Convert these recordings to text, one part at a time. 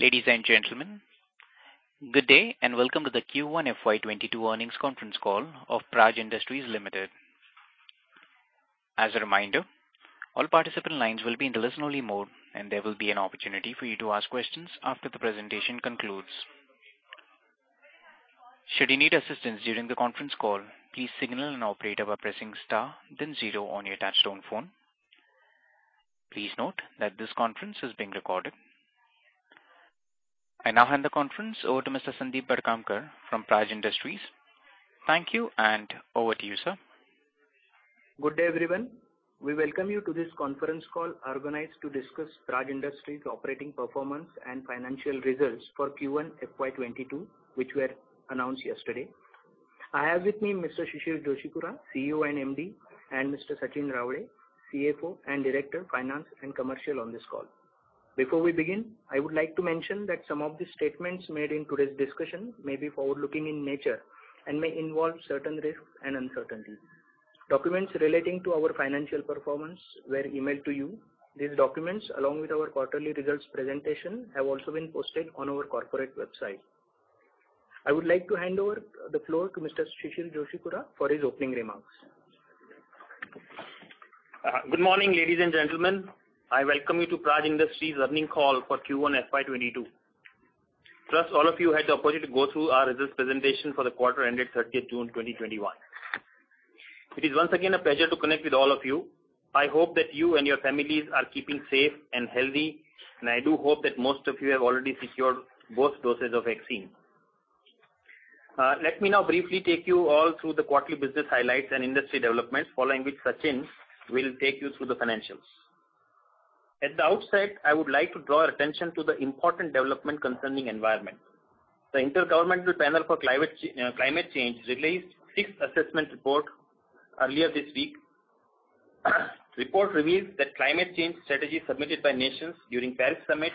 Ladies and gentlemen, good day and welcome to the Q1 FY22 Earnings Conference Call of Praj Industries Limited. As a reminder, all participant lines will be in listen only mode and there will be an opportunity for you to ask questions after the presentation concludes. Should you need assistance during the conference call, please signal an operator by pressing star then zero on your touchtone phone. Please note that this conference is being recorded. I now hand the conference over to Mr. Sandip Bhadkamkar from Praj Industries. Thank you and over to you, sir. Good day everyone. We welcome you to this conference call organized to discuss Praj Industries operating performance and financial results for Q1 FY22, which were announced yesterday. I have with me Mr. Shishir Joshipura, CEO and MD, and Mr. Sachin Raole, CFO and Director of Finance and Commercial on this call. Before we begin, I would like to mention that some of the statements made in today's discussion may be forward-looking in nature and may involve certain risks and uncertainties. Documents relating to our financial performance were emailed to you. These documents, along with our quarterly results presentation, have also been posted on our corporate website. I would like to hand over the floor to Mr. Shishir Joshipura for his opening remarks. Good morning, ladies and gentlemen. I welcome you to Praj Industries earnings call for Q1 FY 2022. All of you had the opportunity to go through our results presentation for the quarter ended 30th June 2021. It is once again a pleasure to connect with all of you. I hope that you and your families are keeping safe and healthy, and I do hope that most of you have already secured both doses of vaccine. Let me now briefly take you all through the quarterly business highlights and industry developments following which Sachin will take you through the financials. At the outset, I would like to draw your attention to the important development concerning environment. The Intergovernmental Panel on Climate Change released its sixth assessment report earlier this week. The report reveals that climate change strategies submitted by nations during Paris Summit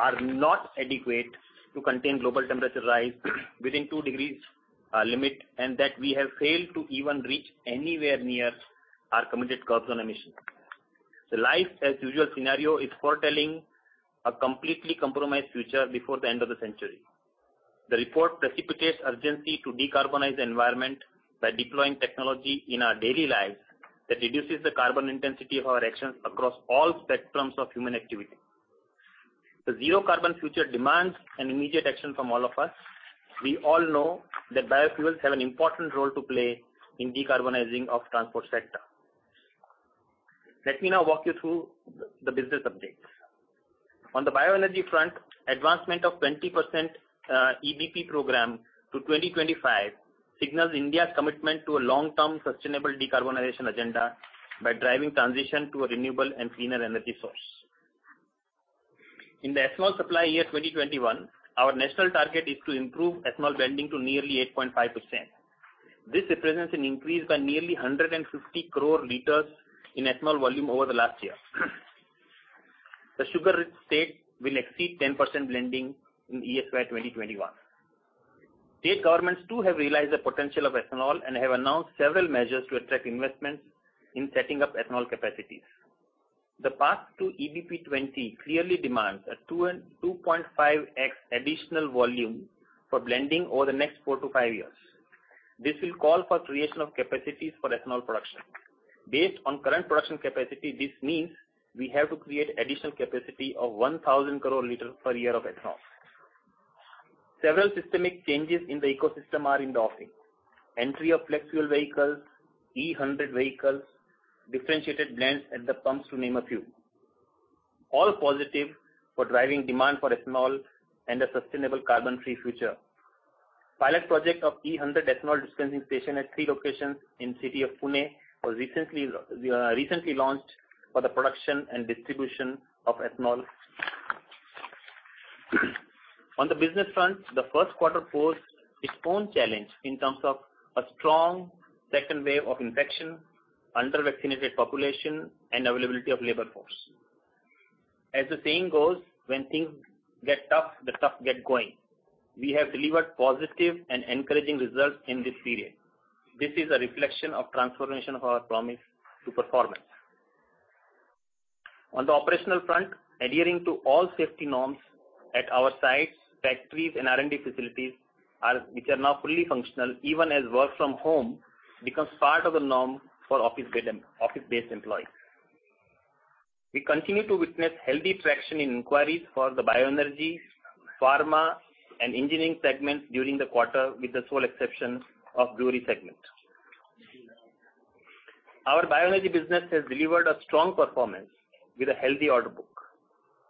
are not adequate to contain global temperature rise within two degrees limit, and that we have failed to even reach anywhere near our committed carbon emission. The life as usual scenario is foretelling a completely compromised future before the end of the century. The report precipitates urgency to decarbonize the environment by deploying technology in our daily lives that reduces the carbon intensity of our actions across all spectrums of human activity. The zero carbon future demands an immediate action from all of us. We all know that biofuels have an important role to play in decarbonizing of transport sector. Let me now walk you through the business updates. On the bioenergy front, advancement of 20% EBP program to 2025 signals India's commitment to a long-term sustainable decarbonization agenda by driving transition to a renewable and cleaner energy source. In the ethanol supply year 2021, our national target is to improve ethanol blending to nearly 8.5%. This represents an increase by nearly 150 crore liters in ethanol volume over the last year. The sugar rich state will exceed 10% blending in FY 2021. State governments too have realized the potential of ethanol and have announced several measures to attract investments in setting up ethanol capacities. The path to EBP 20 clearly demands a 2x and 2.5x additional volume for blending over the next four to five years. This will call for creation of capacities for ethanol production. Based on current production capacity, this means we have to create additional capacity of 1,000 crore liters per year of ethanol. Several systemic changes in the ecosystem are in the offing. Entry of flex fuel vehicles, E100 vehicles, differentiated blends at the pumps to name a few. All positive for driving demand for ethanol and a sustainable carbon-free future. Pilot project of E100 ethanol dispensing station at three locations in city of Pune was recently launched for the production and distribution of ethanol. On the business front, the first quarter posed its own challenge in terms of a strong second wave of infection, under-vaccinated population, and availability of labor force. As the saying goes, when things get tough, the tough get going. We have delivered positive and encouraging results in this period. This is a reflection of transformation of our promise to performance. On the operational front, adhering to all safety norms at our sites, factories, and R&D facilities which are now fully functional even as work from home becomes part of the norm for office-based employees. We continue to witness healthy traction in inquiries for the bioenergy, pharma, and engineering segments during the quarter, with the sole exception of brewery segment. Our bioenergy business has delivered a strong performance with a healthy order book.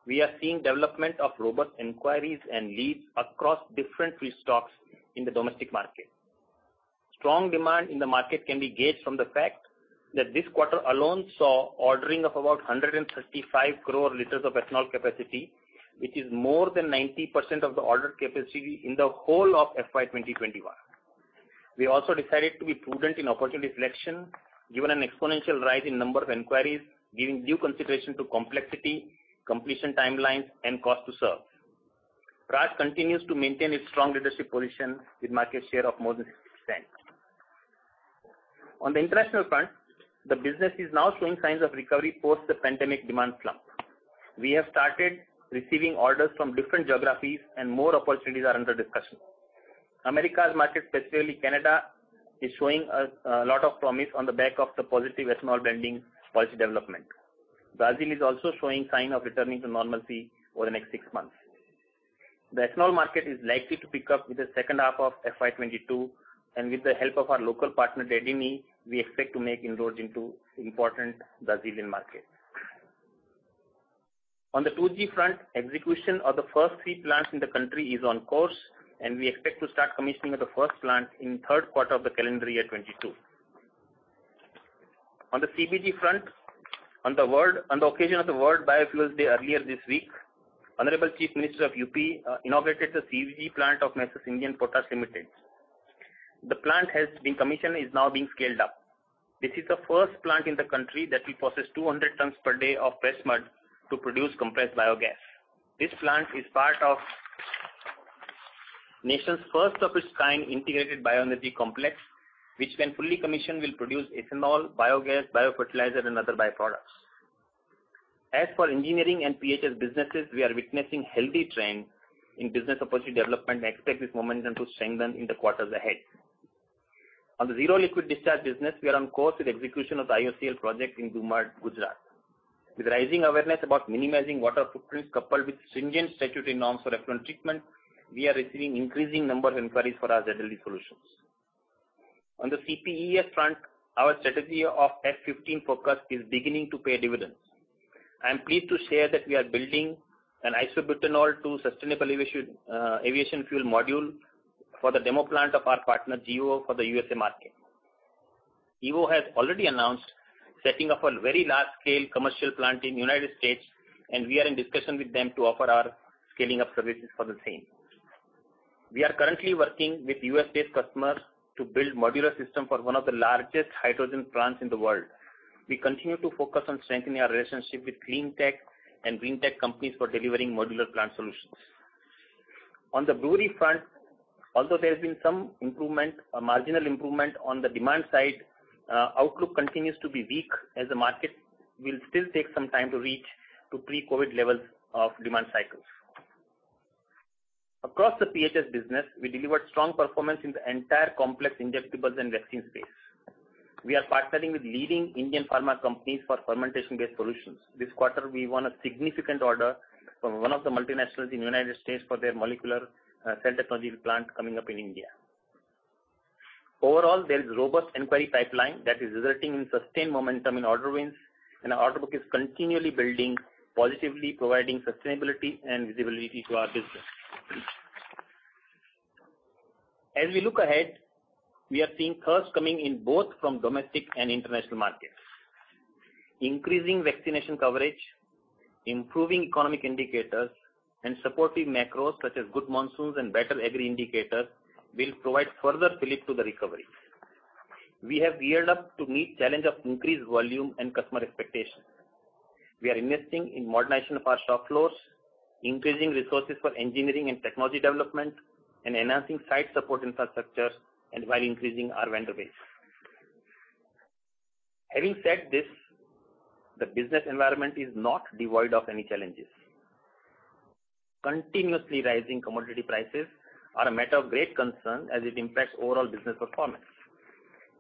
We are seeing development of robust inquiries and leads across different feedstocks in the domestic market. Strong demand in the market can be gauged from the fact that this quarter alone saw ordering of about 135 crore liters of ethanol capacity, which is more than 90% of the ordered capacity in the whole of FY 2021. We also decided to be prudent in opportunity selection, given an exponential rise in number of inquiries, giving due consideration to complexity, completion timelines, and cost to serve. Praj continues to maintain its strong leadership position with market share of more than 60%. On the international front, the business is now showing signs of recovery post the pandemic demand slump. We have started receiving orders from different geographies and more opportunities are under discussion. Americas market, specifically Canada, is showing us a lot of promise on the back of the positive ethanol blending policy development. Brazil is also showing sign of returning to normalcy over the next six months. The ethanol market is likely to pick up with the second half of FY 2022, and with the help of our local partner, Dedini, we expect to make inroads into important Brazilian market. On the 2G front, execution of the first three plants in the country is on course, and we expect to start commissioning of the first plant in third quarter of the calendar year 2022. On the CBG front, on the occasion of the World Biofuel Day earlier this week, Honorable Chief Minister of UP inaugurated the CBG plant of M/s Indian Potash Limited. The plant has been commissioned and is now being scaled up. This is the first plant in the country that will process 200 tons per day of pressmud to produce Compressed Biogas. This plant is part of nation's first of its kind integrated bioenergy complex, which when fully commissioned will produce ethanol, biogas, biofertilizer and other byproducts. As for engineering and PHS businesses, we are witnessing healthy trend in business opportunity development and expect this momentum to strengthen in the quarters ahead. On the zero liquid discharge business, we are on course with execution of the IOCL project in Bhuj, Gujarat. With rising awareness about minimizing water footprints coupled with stringent statutory norms for effluent treatment, we are receiving increasing number of inquiries for our ZLD solutions. On the CPES front, our strategy of F15 focus is beginning to pay dividends. I am pleased to share that we are building an isobutanol to sustainable aviation fuel module for the demo plant of our partner Gevo for the U.S.A. market. Gevo has already announced setting up a very large scale commercial plant in United States, and we are in discussion with them to offer our scaling up services for the same. We are currently working with U.S.-based customers to build modular system for one of the largest hydrogen plants in the world. We continue to focus on strengthening our relationship with clean tech and green tech companies for delivering modular plant solutions. On the brewery front, although there has been some marginal improvement on the demand side, outlook continues to be weak as the market will still take some time to reach to pre-COVID levels of demand cycles. Across the PHS business, we delivered strong performance in the entire complex injectables and vaccines space. We are partnering with leading Indian pharma companies for fermentation-based solutions. This quarter, we won a significant order from one of the multinationals in the United States for their molecular cell technology plant coming up in India. Overall, there is robust inquiry pipeline that is resulting in sustained momentum in order wins, and our order book is continually building positively, providing sustainability and visibility to our business. As we look ahead, we are seeing curves coming in both from domestic and international markets. Increasing vaccination coverage, improving economic indicators, and supportive macros such as good monsoons and better agri indicators will provide further fillip to the recovery. We have geared up to meet challenge of increased volume and customer expectations. We are investing in modernization of our stock floors, increasing resources for engineering and technology development, and enhancing site support infrastructure and while increasing our vendor base. Having said this, the business environment is not devoid of any challenges. Continuously rising commodity prices are a matter of great concern as it impacts overall business performance.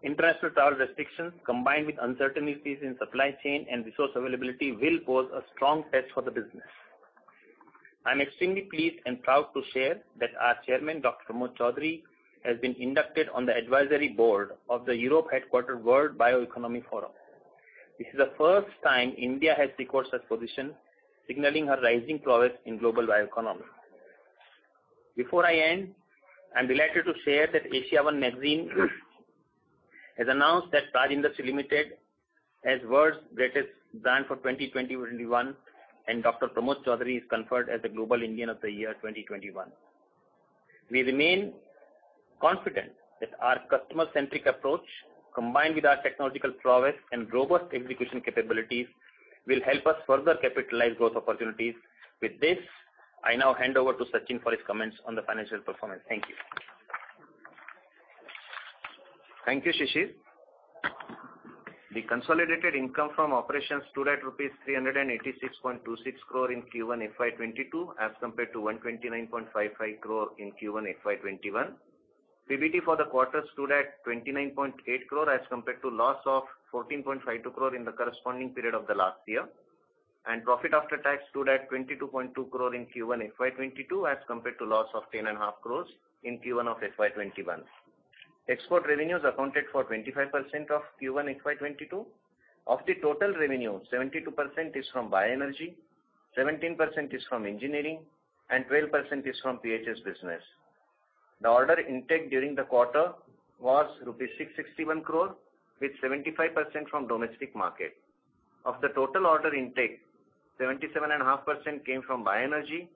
International travel restrictions, combined with uncertainties in supply chain and resource availability will pose a strong test for the business. I'm extremely pleased and proud to share that our Chairman, Dr. Pramod Chaudhari, has been inducted on the advisory board of the Europe-headquartered World Bioeconomy Forum. This is the first time India has secured such position, signaling her rising prowess in global bioeconomy. Before I end, I'm delighted to share that AsiaOne magazine has announced that Praj Industries Limited as World's Greatest rand for 2020-2021, and Dr. Pramod Chaudhari is conferred as the Global Indian of the Year 2021. We remain confident that our customer-centric approach, combined with our technological prowess and robust execution capabilities, will help us further capitalize growth opportunities. With this, I now hand over to Sachin for his comments on the financial performance. Thank you. Thank you, Shishir. The consolidated income from operations stood at rupees 386.26 crore in Q1 FY 2022 as compared to 129.55 crore in Q1 FY 2021. PBT for the quarter stood at 29.8 crore as compared to loss of 14.52 crore in the corresponding period of the last year. Profit after tax stood at 22.2 crore in Q1 FY2022 as compared to loss of 10 and a half crores in Q1 of FY2021. Export revenues accounted for 25% of Q1 FY 2022. Of the total revenue, 72% is from bioenergy, 17% is from engineering, and 12% is from PHS business. The order intake during the quarter was rupees 661 crore, with 75% from domestic market. Of the total order intake, 77.5% came from bioenergy,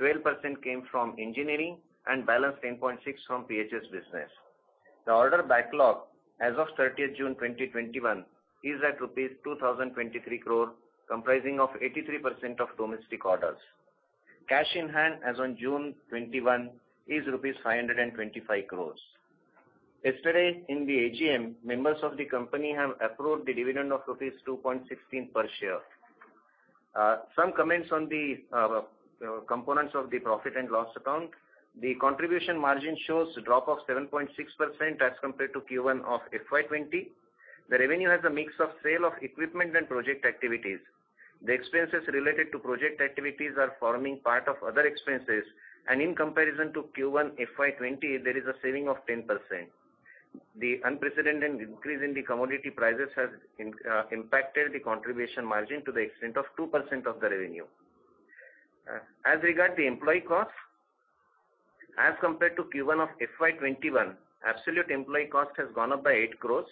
12% came from engineering, and balance 10.6% from PHS business. The order backlog as of 30th June 2021 is at rupees 2,023 crore, comprising of 83% of domestic orders. Cash in hand as on June 2021 is rupees 525 crores. Yesterday in the AGM, members of the company have approved the dividend of rupees 2.16 per share. Some comments on the components of the profit and loss account. The contribution margin shows a drop of 7.6% as compared to Q1 of FY 2020. The revenue has a mix of sale of equipment and project activities. The expenses related to project activities are forming part of other expenses, and in comparison to Q1 FY 2020, there is a saving of 10%. The unprecedented increase in the commodity prices has impacted the contribution margin to the extent of 2% of the revenue. As regard to employee cost, as compared to Q1 of FY 2021, absolute employee cost has gone up by eight crores.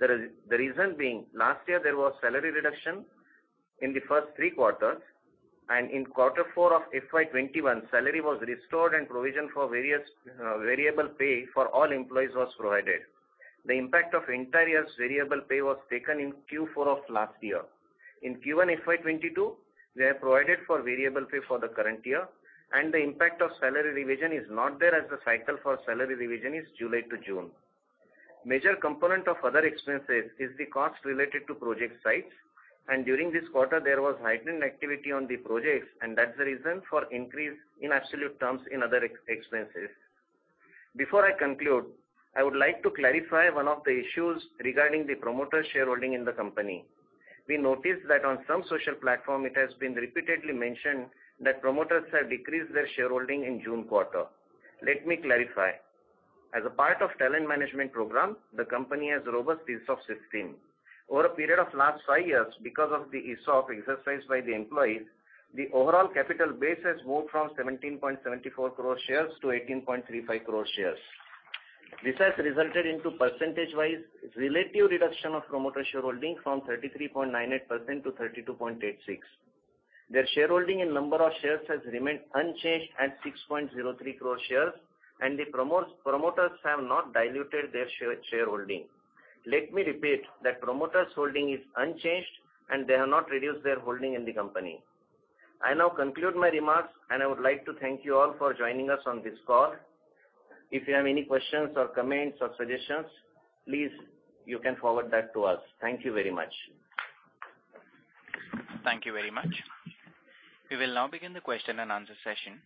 The reason being, last year there was salary reduction in the first three quarters, and in quarter four of FY 2021, salary was restored and provision for various variable pay for all employees was provided. The impact of entire year's variable pay was taken in Q4 of last year. In Q1 FY 2022, we have provided for variable pay for the current year, and the impact of salary revision is not there as the cycle for salary revision is July to June. Major component of other expenses is the cost related to project sites, and during this quarter, there was heightened activity on the projects, and that's the reason for increase in absolute terms in other expenses. Before I conclude, I would like to clarify one of the issues regarding the promoter shareholding in the company. We noticed that on some social platform, it has been repeatedly mentioned that promoters have decreased their shareholding in June quarter. Let me clarify. As a part of talent management program, the company has a robust ESOP system. Over a period of last five years, because of the ESOP exercised by the employees, the overall capital base has moved from 17.74 crore shares to 18.35 crore shares. This has resulted into percentage-wise relative reduction of promoter shareholding from 33.98%-32.86%. Their shareholding in number of shares has remained unchanged at 6.03 crore shares, and the promoters have not diluted their shareholding. Let me repeat that promoters' holding is unchanged and they have not reduced their holding in the company. I now conclude my remarks, and I would like to thank you all for joining us on this call. If you have any questions or comments or suggestions, please you can forward that to us. Thank you very much. Thank you very much. We will now begin the question and answer session.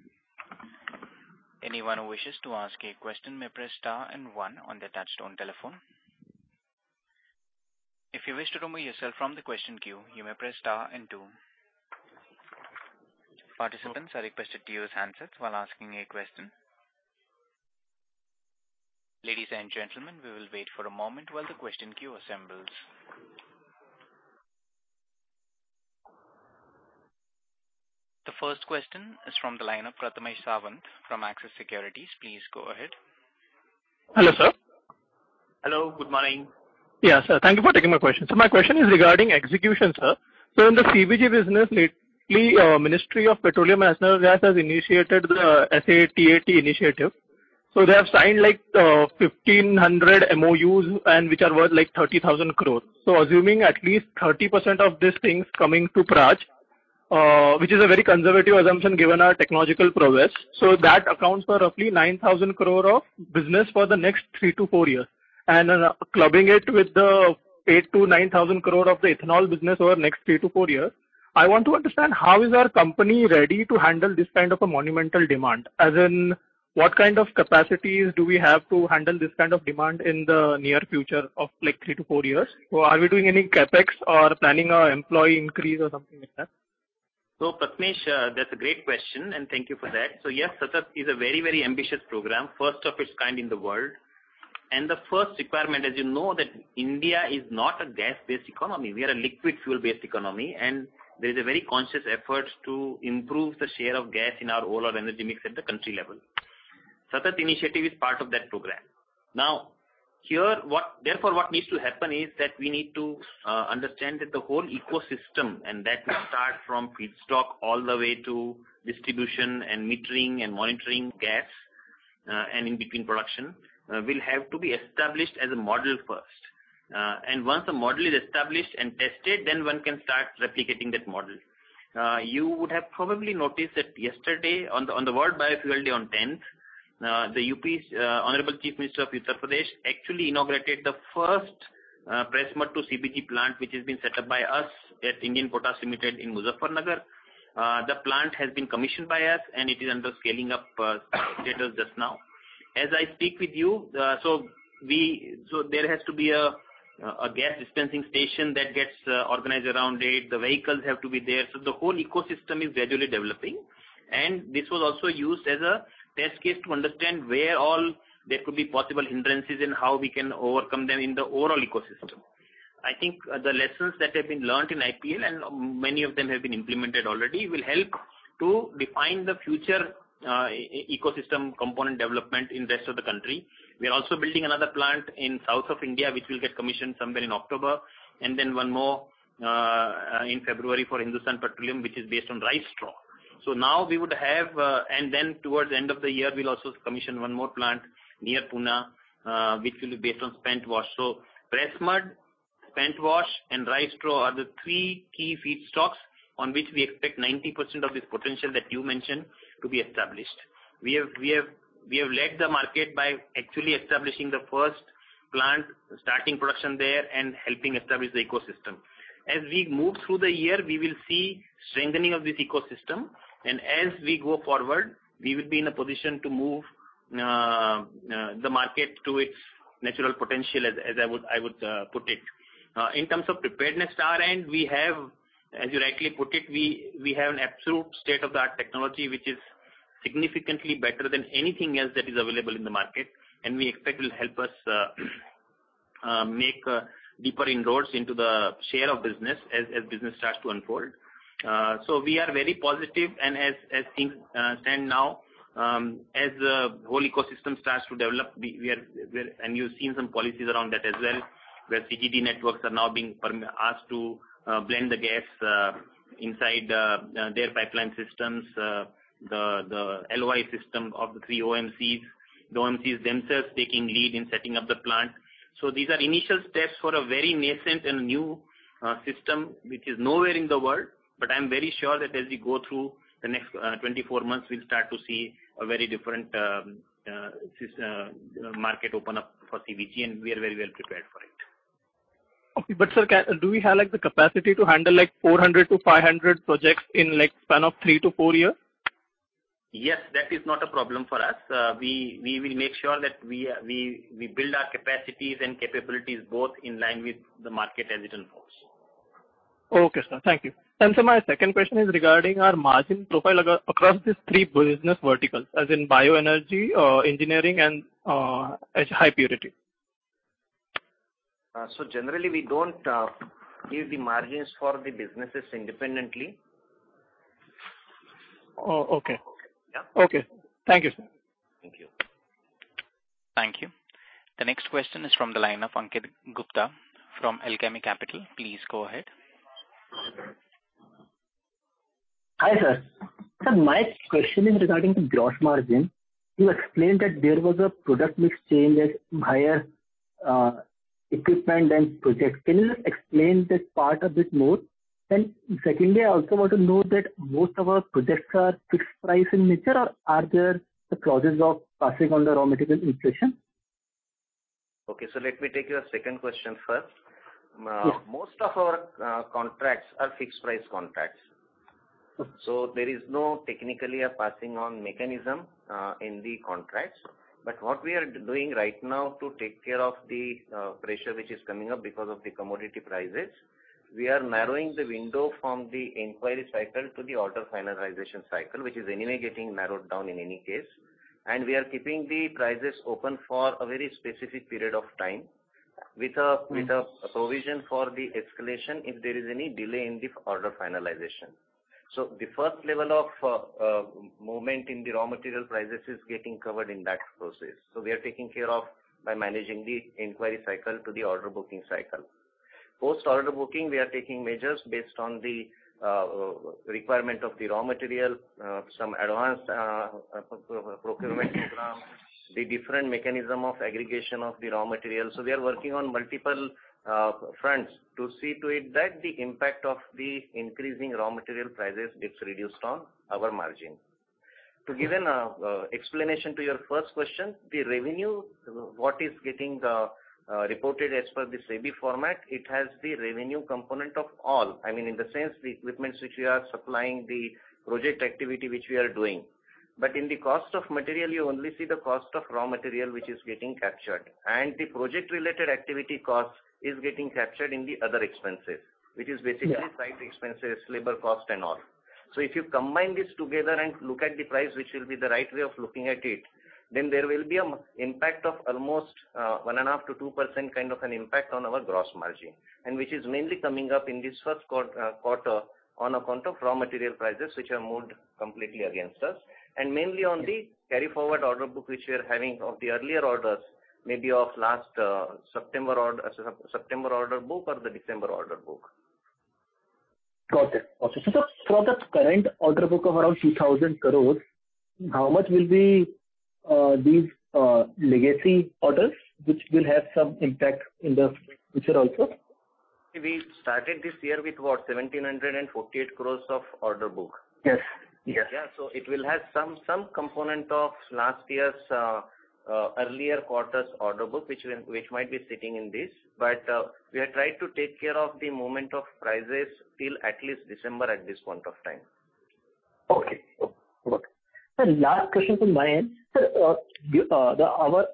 Anyone who wishes to ask a question may press star and one on their touchtone telephone. If you wish to remove yourself from the question queue, you may press star and two. Participants are requested to use handsets while asking a question. Ladies and gentlemen, we will wait for a moment while the question queue assembles. The first question is from the line of Prathamesh Sawant from Axis Securities. Please go ahead. Hello, sir. Hello, good morning. Sir. Thank you for taking my question. My question is regarding execution, sir. In the CBG business lately, Ministry of Petroleum and Natural Gas has initiated the SATAT initiative. They have signed 1,500 MOUs and which are worth 30,000 crore. Assuming at least 30% of these things coming to Praj, which is a very conservative assumption given our technological progress. That accounts for roughly 9,000 crore of business for the next threoe to four years. Clubbing it with the 8,000 crore-9,000 crore of the ethanol business over the next three to four years. I want to understand how is our company ready to handle this kind of a monumental demand? What kind of capacities do we have to handle this kind of demand in the near future of three to four years? Are we doing any CapEx or planning employee increase or something like that? Prathamesh, that's a great question, and thank you for that. Yes, SATAT is a very ambitious program, first of its kind in the world. The first requirement, as you know, that India is not a gas-based economy. We are a liquid fuel-based economy, and there is a very conscious effort to improve the share of gas in our overall energy mix at the country level. SATAT initiative is part of that program. Therefore, what needs to happen is that we need to understand that the whole ecosystem, and that starts from feedstock all the way to distribution and metering and monitoring gas, and in between production, will have to be established as a model first. Once the model is established and tested, then one can start replicating that model. You would have probably noticed that yesterday on the World Biofuel Day on 10th, the U.P., honorable Chief Minister of Uttar Pradesh, actually inaugurated the first press mud to CBG plant, which has been set up by us at Indian Potash Limited in Muzaffarnagar. The plant has been commissioned by us, and it is under scaling up status just now. As I speak with you, there has to be a gas dispensing station that gets organized around it. The vehicles have to be there. The whole ecosystem is gradually developing. This was also used as a test case to understand where all there could be possible hindrances and how we can overcome them in the overall ecosystem. I think the lessons that have been learnt in IPL, and many of them have been implemented already, will help to define the future ecosystem component development in rest of the country. We are also building another plant in south of India, which will get commissioned somewhere in October, and then one more in February for Hindustan Petroleum, which is based on rice straw. Now towards the end of the year, we'll also commission one more plant near Pune, which will be based on spent wash. Press Mud, spent wash and rice straw are the three key feedstocks on which we expect 90% of this potential that you mentioned to be established. We have led the market by actually establishing the first plant, starting production there, and helping establish the ecosystem. As we move through the year, we will see strengthening of this ecosystem, and as we go forward, we will be in a position to move the market to its natural potential, as I would put it. In terms of preparedness to our end, as you rightly put it, we have an absolute state-of-the-art technology which is significantly better than anything else that is available in the market, and we expect will help us make deeper inroads into the share of business as business starts to unfold. We are very positive. As things stand now, as the whole ecosystem starts to develop, and you've seen some policies around that as well, where CGD networks are now being asked to blend the gas inside their pipeline systems, the LOI system of the three OMCs, the OMCs themselves taking lead in setting up the plant. These are initial steps for a very nascent and new system which is nowhere in the world, but I'm very sure that as we go through the next 24 months, we'll start to see a very different market open up for CBG, and we are very well prepared for it. Okay. sir, do we have the capacity to handle 400-500 projects in a span of three to four years? Yes, that is not a problem for us. We will make sure that we build our capacities and capabilities both in line with the market as it unfolds. Okay, sir. Thank you. Sir, my second question is regarding our margin profile across these three business verticals, as in bioenergy, engineering, and high purity. Generally, we don't give the margins for the businesses independently. Oh, okay. Yeah. Okay. Thank you, sir. Thank you. Thank you. The next question is from the line of Ankit Gupta from Alchemy Capital. Please go ahead. Hi, sir. Sir, my question is regarding the gross margin. You explained that there was a product mix change as higher equipment and projects. Can you just explain that part a bit more? Secondly, I also want to know that most of our projects are fixed price in nature, or are there the clauses of passing on the raw material inflation? Okay. Let me take your second question first. Sure. Most of our contracts are fixed price contracts. Okay. There is no technically a passing on mechanism in the contracts. What we are doing right now to take care of the pressure which is coming up because of the commodity prices, we are narrowing the window from the inquiry cycle to the order finalization cycle, which is anyway getting narrowed down in any case. We are keeping the prices open for a very specific period of time with a provision for the escalation if there is any delay in the order finalization. The first level of movement in the raw material prices is getting covered in that process. We are taking care of by managing the inquiry cycle to the order booking cycle. Post order booking, we are taking measures based on the requirement of the raw material, some advanced procurement program, the different mechanism of aggregation of the raw material. We are working on multiple fronts to see to it that the impact of the increasing raw material prices gets reduced on our margin. To give an explanation to your first question, the revenue, what is getting reported as per the SEBI format, it has the revenue component of all, I mean, in the sense the equipments which we are supplying, the project activity which we are doing. In the cost of material, you only see the cost of raw material which is getting captured, and the project-related activity cost is getting captured in the other expenses. Yeah. Which is basically site expenses, labor cost and all. If you combine this together and look at the price, which will be the right way of looking at it, then there will be an impact of almost 1.5%-2% kind of an impact on our gross margin. Which is mainly coming up in this first quarter on account of raw material prices, which have moved completely against us, and mainly on the carry forward order book which we are having of the earlier orders, maybe of last September order book or the December order book. Got it. For the current order book of around 2,000 crores, how much will be these legacy orders, which will have some impact in the future also? We started this year with what? 1,748 crores of order book. Yes. Yeah. It will have some component of last year's earlier quarters order book, which might be sitting in this. We are trying to take care of the movement of prices till at least December at this point of time. Okay. Sir, last question from my end. Sir, our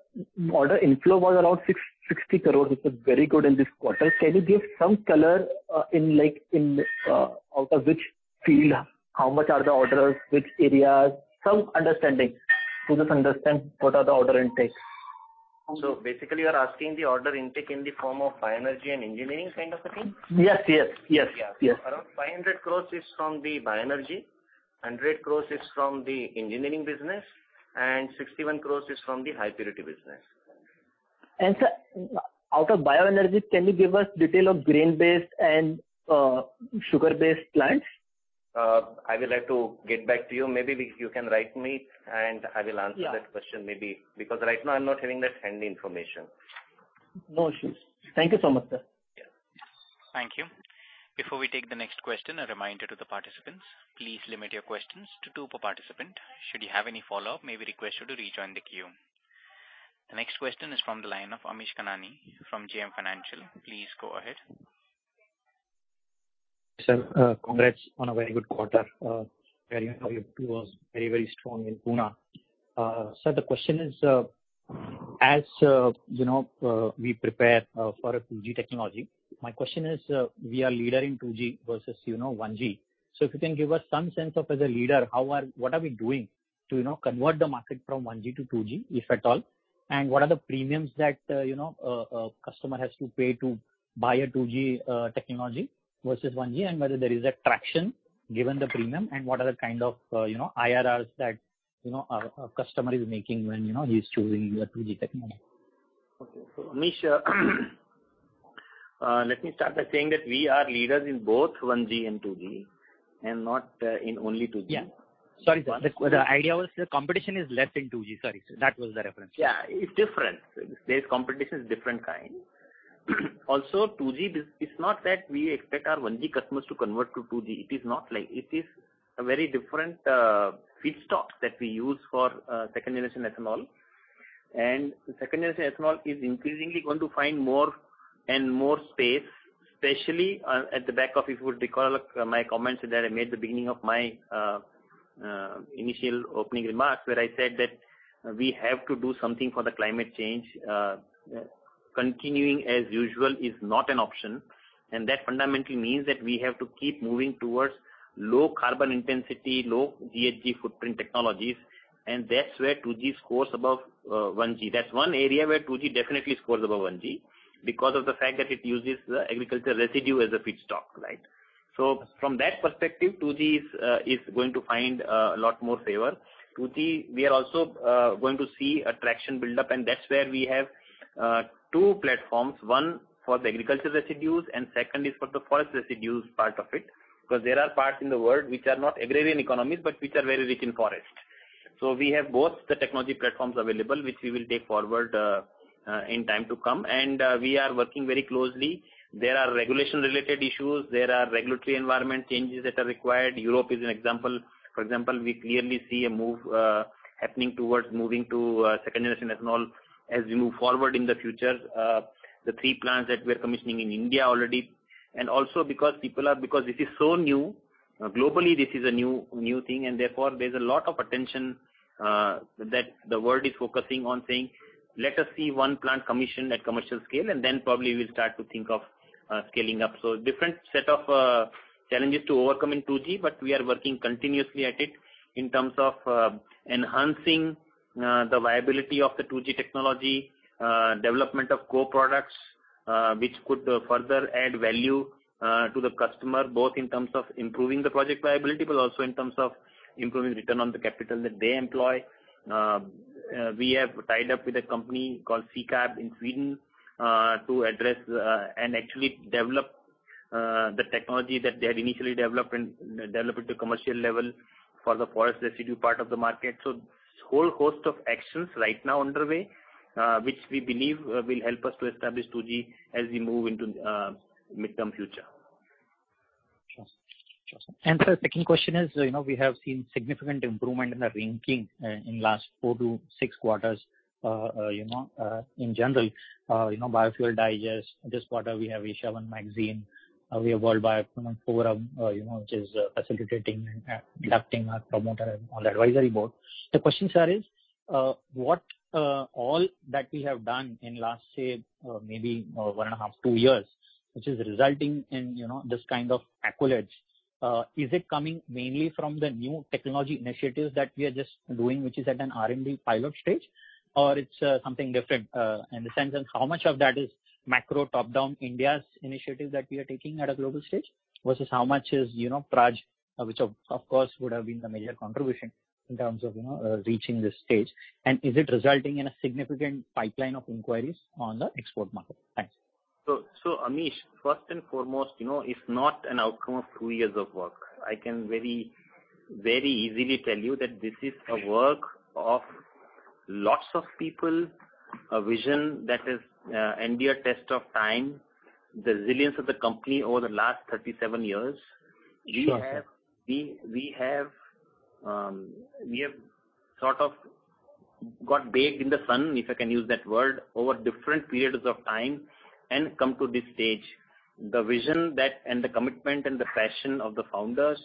order inflow was around 660 crore, which was very good in this quarter. Can you give some color out of which field, how much are the orders, which areas? Some understanding to just understand what are the order intakes. Basically, you are asking the order intake in the form of bioenergy and engineering kind of a thing? Yes. Yeah. Around 500 crores is from the bioenergy, 100 crores is from the engineering business, and 61 crores is from the high purity business. Sir, out of bioenergy, can you give us detail of grain-based and sugar-based plants? I will have to get back to you. Maybe you can write me, and I will answer that question maybe, because right now I'm not having that handy information. No issues. Thank you so much, sir. Yeah. Thank you. Before we take the next question, a reminder to the participants, please limit your questions to two per participant. Should you have any follow-up, may we request you to rejoin the queue. The next question is from the line of Amish Kanani from JM Financial. Please go ahead. Sir, congrats on a very good quarter. Very was very strong in Pune. Sir, the question is, as we prepare for a 2G technology, my question is, we are leader in 2G versus 1G. If you can give us some sense of, as a leader, what are we doing to convert the market from 1G to 2G, if at all, and what are the premiums that a customer has to pay to buy a 2G technology versus 1G, and whether there is a traction given the premium, and what are the kind of IRRs that our customer is making when he's choosing your 2G technology? Okay. Amish, let me start by saying that we are leaders in both 1G and 2G and not in only 2G. Yeah. Sorry, sir. The idea was the competition is less in 2G. Sorry, sir. That was the reference. Yeah, it's different. There's competition is different kind. 2G, it's not that we expect our 1G customers to convert to 2G. It is a very different feedstock that we use for second generation ethanol. Second generation ethanol is increasingly going to find more and more space, especially at the back of, if you would recall my comments that I made at the beginning of my initial opening remarks, where I said that we have to do something for the climate change. Continuing as usual is not an option, that fundamentally means that we have to keep moving towards low carbon intensity, low GHG footprint technologies, and that's where 2G scores above 1G. That's one area where 2G definitely scores above 1G because of the fact that it uses the agriculture residue as a feedstock. From that perspective, 2G is going to find a lot more favor. 2G, we are also going to see a traction build-up, and that's where we have two platforms, one for the agriculture residues, and second is for the forest residues part of it. Because there are parts in the world which are not agrarian economies, but which are very rich in forest. We have both the technology platforms available, which we will take forward in time to come. We are working very closely. There are regulation-related issues. There are regulatory environment changes that are required. Europe is an example. For example, we clearly see a move happening towards moving to second generation ethanol as we move forward in the future. The three plants that we're commissioning in India already, and also because this is so new, globally, this is a new thing, and therefore, there's a lot of attention that the world is focusing on saying, "Let us see one plant commissioned at commercial scale, and then probably we'll start to think of scaling up." Different set of challenges to overcome in 2G, but we are working continuously at it in terms of enhancing the viability of the 2G technology, development of co-products, which could further add value to the customer, both in terms of improving the project viability, but also in terms of improving return on the capital that they employ. We have tied up with a company called SEKAB in Sweden to address and actually develop the technology that they had initially developed and develop it to commercial level for the forest residue part of the market. Whole host of actions right now underway, which we believe will help us to establish 2G as we move into the mid-term future. Sure. Sir, second question is, we have seen significant improvement in the ranking in last four to six quarters. In general, Biofuels Digest, this quarter we have AsiaOne magazine, we have World BioEconomy Forum, which is facilitating and inducting our promoter on the advisory board. The question, sir, is, what all that we have done in the last say, maybe one and a half, two years, which is resulting in this kind of accolades. Is it coming mainly from the new technology initiatives that we are just doing, which is at an R&D pilot stage, or it's something different? In the sense of how much of that is macro top-down India's initiative that we are taking at a global stage, versus how much is Praj, which of course would have been the major contribution in terms of reaching this stage. Is it resulting in a significant pipeline of inquiries on the export market? Thanks. Amish, first and foremost, it's not an outcome of two years of work. I can very easily tell you that this is a work of lots of people, a vision that has endured test of time, the resilience of the company over the last 37 years. Sure, sir. We have sort of got baked in the sun, if I can use that word, over different periods of time and come to this stage. The vision and the commitment and the passion of the founders,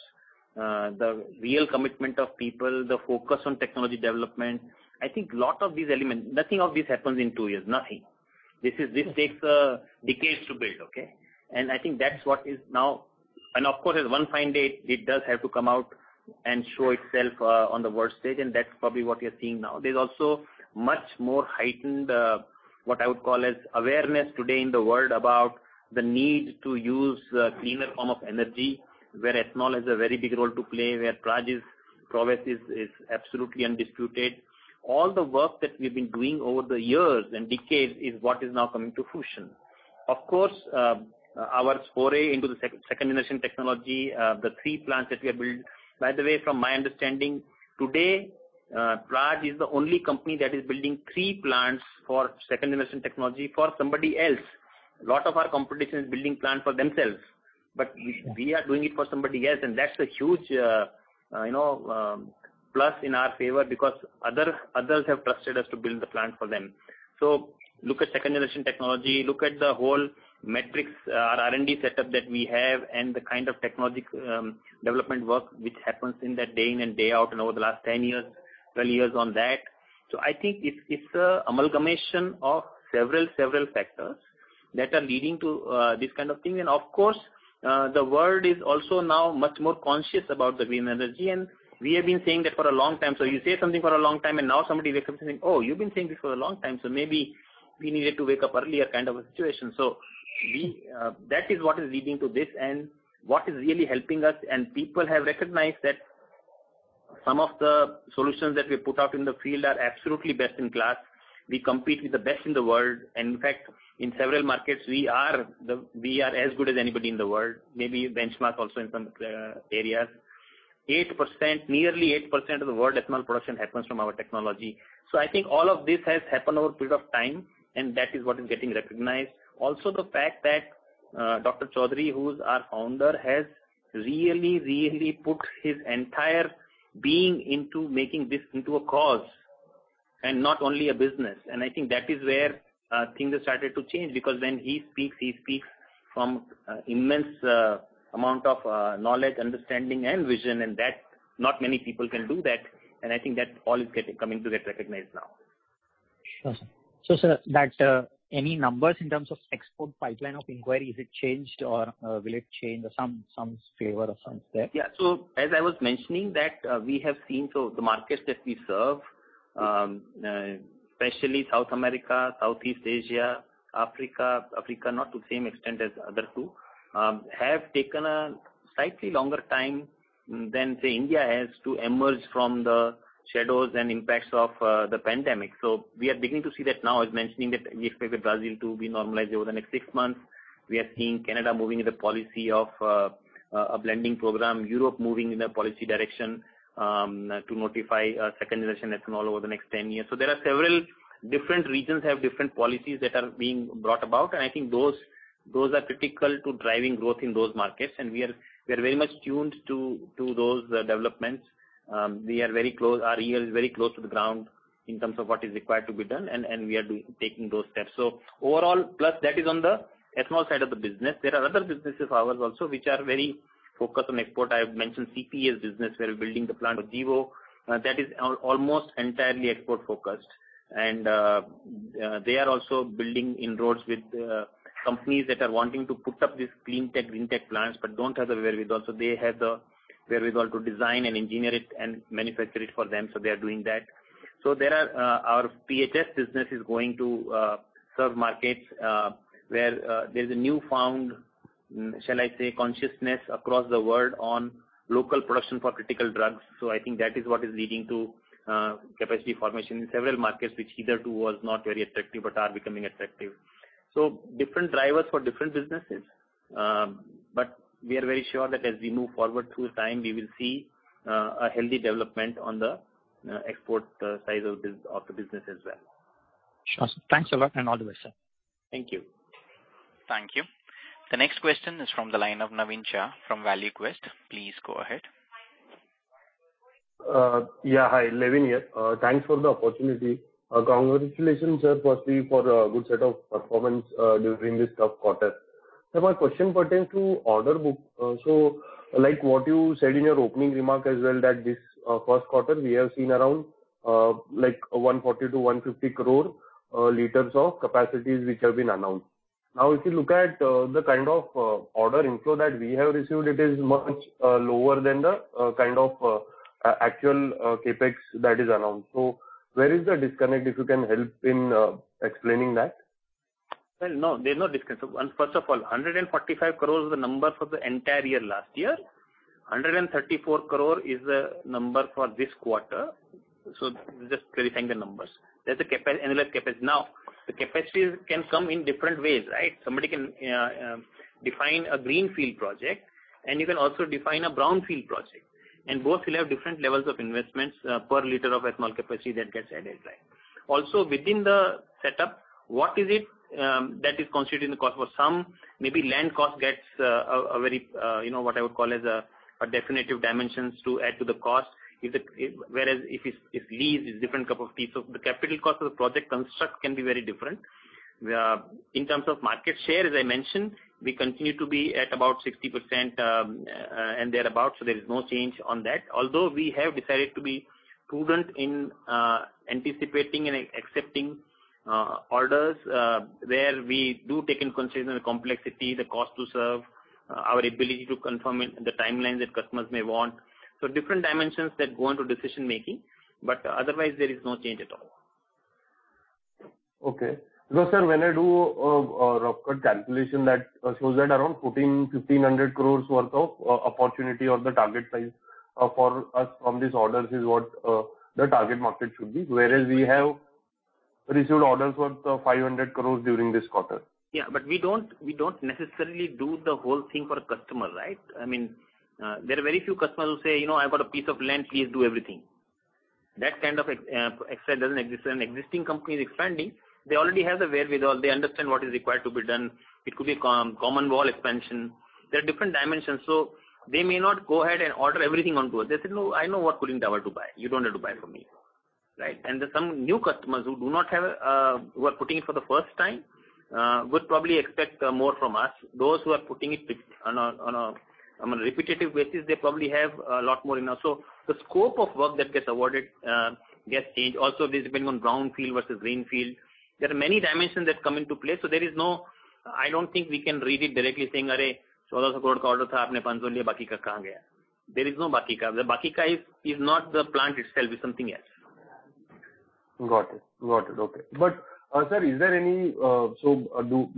the real commitment of people, the focus on technology development. I think lot of these elements, nothing of this happens in two years. Nothing. This takes decades to build. Okay? I think that's what is now. Of course, at one fine day, it does have to come out and show itself on the world stage, and that's probably what you're seeing now. There's also much more heightened, what I would call as awareness today in the world about the need to use a cleaner form of energy, where ethanol has a very big role to play, where Praj's prowess is absolutely undisputed. All the work that we've been doing over the years and decades is what is now coming to fruition. Our foray into the 2G technology, the three plants that we have built. By the way, from my understanding, today, Praj is the only company that is building three plants for 2G technology for somebody else. A lot of our competition is building plant for themselves, we are doing it for somebody else, that's a huge plus in our favor because others have trusted us to build the plant for them. Look at 2G technology. Look at the whole metrics, our R&D setup that we have, and the kind of technology development work which happens in that day in and day out and over the last 10 years, 12 years on that. I think it's an amalgamation of several factors that are leading to this kind of thing. Of course, the world is also now much more conscious about the green energy, and we have been saying that for a long time. You say something for a long time, and now somebody wakes up saying, "Oh, you've been saying this for a long time, so maybe we needed to wake up earlier," kind of a situation. That is what is leading to this and what is really helping us, and people have recognized that some of the solutions that we put out in the field are absolutely best in class. We compete with the best in the world, and in fact, in several markets, we are as good as anybody in the world, maybe benchmark also in some areas. Nearly 8% of the world ethanol production happens from our technology. I think all of this has happened over a period of time, and that is what is getting recognized. Also, the fact that Dr. Chaudhari, who's our founder, has really put his entire being into making this into a cause and not only a business. I think that is where things have started to change, because when he speaks, he speaks from immense amount of knowledge, understanding, and vision, and that not many people can do that. I think that all is coming to get recognized now. Sure, sir. Sir, any numbers in terms of export pipeline of inquiry, has it changed or will it change or some flavor of sense there? Yeah. As I was mentioning that we have seen, the markets that we serve, especially South America, Southeast Asia, Africa, not to same extent as other two, have taken a slightly longer time than, say, India has to emerge from the shadows and impacts of the pandemic. We are beginning to see that now. I was mentioning that we expect Brazil to be normalized over the next six months. We are seeing Canada moving the policy of a blending program, Europe moving in a policy direction to notify second generation ethanol over the next 10 years. There are several different regions have different policies that are being brought about, and I think those are critical to driving growth in those markets, and we are very much tuned to those developments. Our ear is very close to the ground in terms of what is required to be done, and we are taking those steps. Overall, plus that is on the ethanol side of the business. There are other businesses, ours also, which are very focused on export. I've mentioned CPES business. We're building the plant for Gevo. That is almost entirely export focused. They are also building inroads with companies that are wanting to put up these clean tech, green tech plants but don't have the wherewithal. They have the wherewithal to design and engineer it and manufacture it for them, so they are doing that. Our PHS business is going to serve markets where there's a newfound, shall I say, consciousness across the world on local production for critical drugs. I think that is what is leading to capacity formation in several markets, which hitherto was not very attractive but are becoming attractive. Different drivers for different businesses. We are very sure that as we move forward through time, we will see a healthy development on the export side of the business as well. Sure. Thanks a lot and all the best, sir. Thank you. Thank you. The next question is from the line of Navin Shah from ValueQuest. Please go ahead. Yeah. Hi, Navin here. Thanks for the opportunity. Congratulations, sir, firstly for a good set of performance during this tough quarter. Sir, my question pertains to order book. Like what you said in your opening remark as well that this first quarter, we have seen around 140-150 crore liters of capacities which have been announced. Now, if you look at the kind of order inflow that we have received, it is much lower than the kind of actual CapEx that is announced. Where is the disconnect, if you can help in explaining that? Well, no, there's no disconnect. First of all, 145 crore is the number for the entire year last year. 134 crore is the number for this quarter. Just clarifying the numbers. That's the CapEx. Now, the capacities can come in different ways, right? Somebody can define a greenfield project, and you can also define a brownfield project, and both will have different levels of investments per 1 liter of ethanol capacity that gets added, right? Also, within the setup, what is it that is constituting the cost? For some, maybe land cost gets a very, what I would call as a definitive dimensions to add to the cost. Whereas if lease is different cup of tea. The capital cost of the project construct can be very different. In terms of market share, as I mentioned, we continue to be at about 60% and thereabout, so there is no change on that. Although we have decided to be prudent in anticipating and accepting orders where we do take into consideration the complexity, the cost to serve, our ability to confirm the timelines that customers may want. Different dimensions that go into decision making, but otherwise there is no change at all. Okay. Sir, when I do a rough cut calculation that shows that around 1,400 crore-1,500 crore worth of opportunity or the target size for us from these orders is what the target market should be. Whereas we have received orders worth 500 crore during this quarter. We don't necessarily do the whole thing for a customer, right? There are very few customers who say, "I've got a piece of land, please do everything." That kind of excel doesn't exist. An existing company is expanding, they already have the wherewithal. They understand what is required to be done. It could be common wall expansion. There are different dimensions. They may not go ahead and order everything on board. They say, "No, I know what cooling tower to buy. You don't need to buy for me." Right? There's some new customers who are putting it for the first time, would probably expect more from us. Those who are putting it on a repetitive basis, they probably have a lot more in us. The scope of work that gets awarded gets changed. This depends on brownfield versus greenfield. There are many dimensions that come into play, so I don't think we can read it directly saying, There is no. The is not the plant itself, it's something else. Got it. Okay. Sir,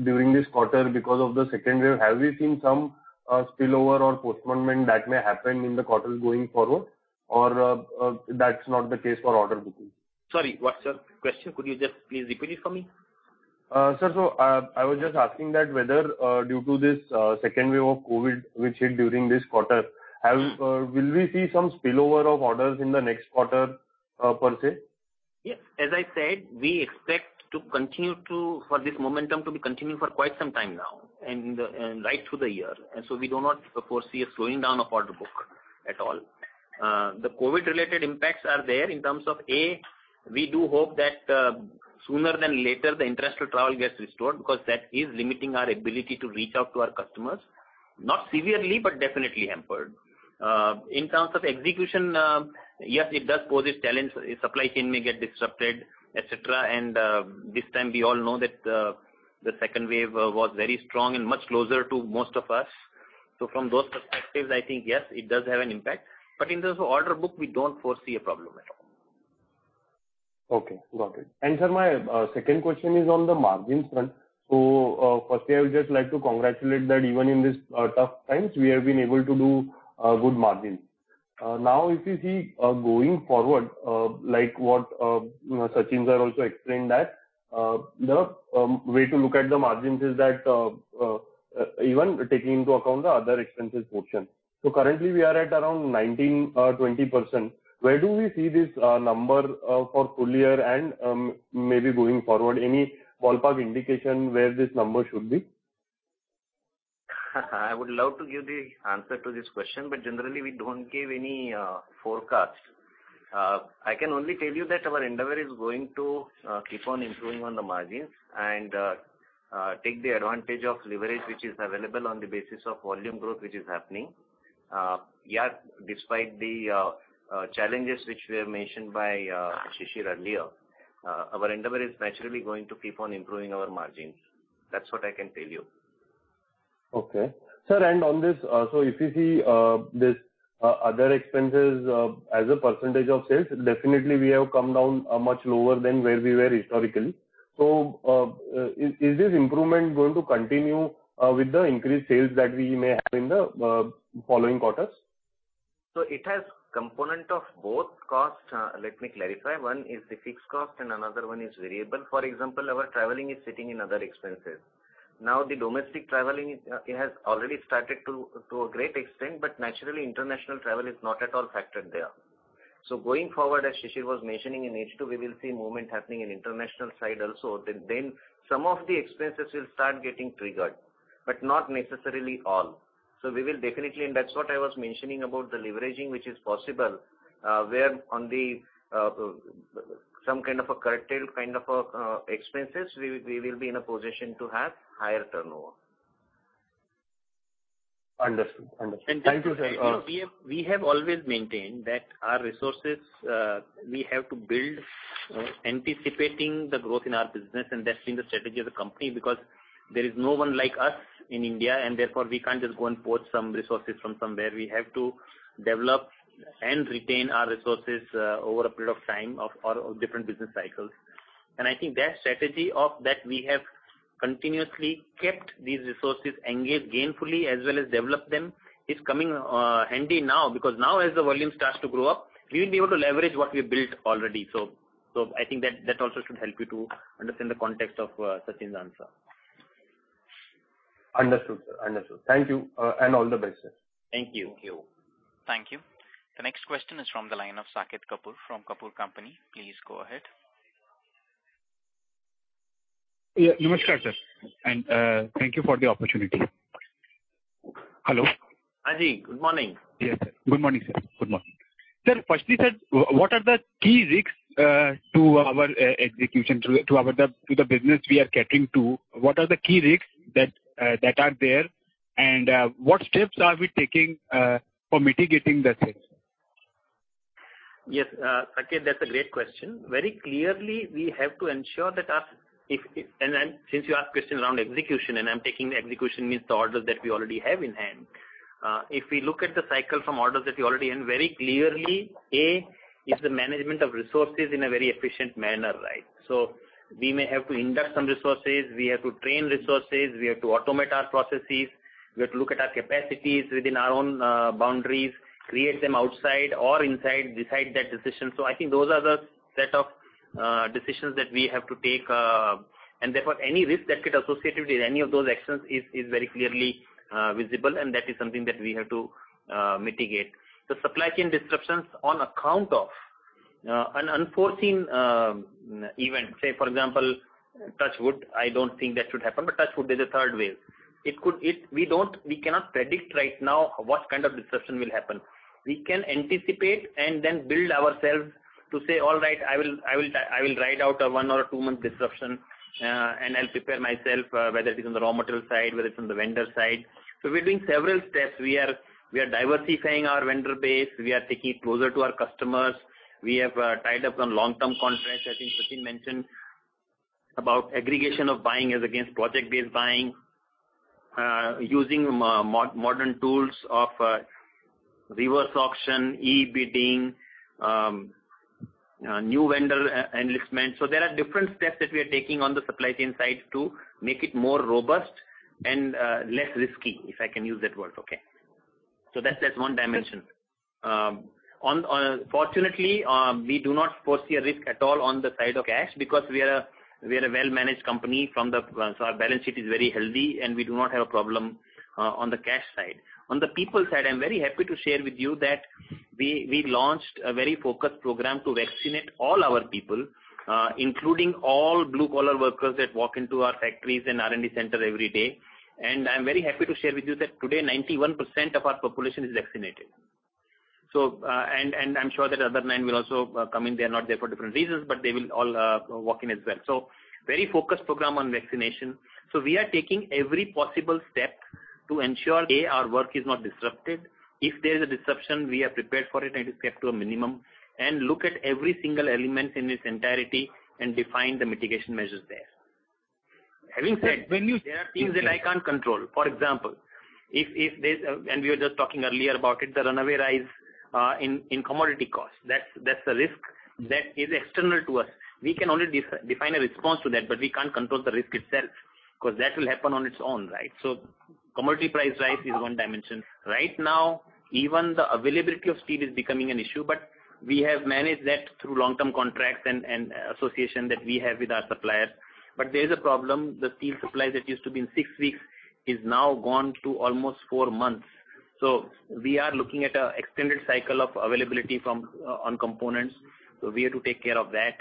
during this quarter, because of the second wave, have we seen some spillover or postponement that may happen in the quarter going forward? Or that's not the case for order booking? Sorry, what's your question? Could you just please repeat it for me? Sir, I was just asking that whether due to this second wave of COVID, which hit during this quarter, will we see some spillover of orders in the next quarter per se? Yes. As I said, we expect for this momentum to be continuing for quite some time now, and right through the year. We do not foresee a slowing down of order book at all. The COVID-related impacts are there in terms of, we do hope that sooner than later, the international travel gets restored because that is limiting our ability to reach out to our customers, not severely, but definitely hampered. In terms of execution, yes, it does pose its challenge. Supply chain may get disrupted, et cetera, and this time we all know that the second wave was very strong and much closer to most of us. From those perspectives, I think yes, it does have an impact. In terms of order book, we don't foresee a problem at all. Okay, got it. Sir, my second question is on the margins front. Firstly, I would just like to congratulate that even in these tough times, we have been able to do good margins. Now, if you see going forward, like what Sachin sir also explained that the way to look at the margins is that even taking into account the other expenses portion. Currently we are at around 19% or 20%. Where do we see this number for full year and maybe going forward? Any ballpark indication where this number should be? I would love to give the answer to this question, but generally we don't give any forecast. I can only tell you that our endeavor is going to keep on improving on the margins and take the advantage of leverage which is available on the basis of volume growth which is happening. Despite the challenges which were mentioned by Shishir earlier, our endeavor is naturally going to keep on improving our margins. That's what I can tell you. Okay. Sir, on this, if you see this other expenses as a percentage of sales, definitely we have come down much lower than where we were historically. Is this improvement going to continue with the increased sales that we may have in the following quarters? It has component of both cost. Let me clarify. One is the fixed cost and another one is variable. For example, our traveling is sitting in other expenses. The domestic traveling, it has already started to a great extent, naturally, international travel is not at all factored there. Going forward, as Shishir was mentioning in H2, we will see movement happening in international side also. Some of the expenses will start getting triggered, not necessarily all. We will definitely, that's what I was mentioning about the leveraging, which is possible, where on some kind of a curtailed kind of expenses, we will be in a position to have higher turnover. Understood. Thank you, sir. We have always maintained that our resources, we have to build anticipating the growth in our business and that's been the strategy of the company because there is no one like us in India and therefore we can't just go and poach some resources from somewhere. We have to develop and retain our resources over a period of time or different business cycles. I think that strategy of that we have continuously kept these resources engaged gainfully as well as developed them is coming handy now because now as the volume starts to grow up, we will be able to leverage what we've built already. I think that also should help you to understand the context of Sachin's answer. Understood, sir. Thank you, and all the best, sir. Thank you. Thank you. Thank you. The next question is from the line of Saket Kapoor from Kapoor & Company. Please go ahead. Yes. Namaskar, sir, and thank you for the opportunity. Hello? Hi. Good morning. Yes. Good morning, sir. Firstly, sir, what are the key risks to our execution, to the business we are getting to? What are the key risks that are there, and what steps are we taking for mitigating the risks? Yes, Saket, that's a great question. Very clearly, we have to ensure that since you asked questions around execution and I'm taking the execution means the orders that we already have in hand. If we look at the cycle from orders that we already in, very clearly. Is the management of resources in a very efficient manner. We may have to induct some resources, we have to train resources, we have to automate our processes, we have to look at our capacities within our own boundaries, create them outside or inside, decide that decision. I think those are the set of decisions that we have to take. Therefore, any risk that could associated with any of those actions is very clearly visible and that is something that we have to mitigate. The supply chain disruptions on account of an unforeseen event, say, for example, touch wood, I don't think that should happen, but touch wood, there's a third wave. We cannot predict right now what kind of disruption will happen. We can anticipate and then build ourselves to say, all right, I will write out a one or a two-month disruption, and I'll prepare myself, whether it is on the raw material side, whether it's on the vendor side. We're doing several steps. We are diversifying our vendor base. We are taking it closer to our customers. We have tied up some long-term contracts. I think Sachin mentioned about aggregation of buying as against project-based buying, using modern tools of reverse auction, e-bidding, new vendor enlistment. There are different steps that we are taking on the supply chain side to make it more robust and less risky, if I can use that word. That's one dimension. Fortunately, we do not foresee a risk at all on the side of cash because we are a well-managed company, so our balance sheet is very healthy, and we do not have a problem on the cash side. On the people side, I'm very happy to share with you that we launched a very focused program to vaccinate all our people, including all blue-collar workers that walk into our factories and R&D center every day. I'm very happy to share with you that today 91% of our population is vaccinated. I'm sure that the other 9% will also come in. They're not there for different reasons, but they will all walk in as well. Very focused program on vaccination. We are taking every possible step to ensure, A, our work is not disrupted. If there is a disruption, we are prepared for it and it is kept to a minimum, and look at every single element in its entirety and define the mitigation measures there. Having said, there are things that I can't control. For example, and we were just talking earlier about it, the runaway rise in commodity costs. That's a risk that is external to us. We can only define a response to that, but we can't control the risk itself because that will happen on its own. Commodity price rise is one dimension. Right now, even the availability of steel is becoming an issue, but we have managed that through long-term contracts and association that we have with our suppliers. There's a problem. The steel supply that used to be in six weeks is now gone to almost four months. We are looking at an extended cycle of availability on components. We have to take care of that.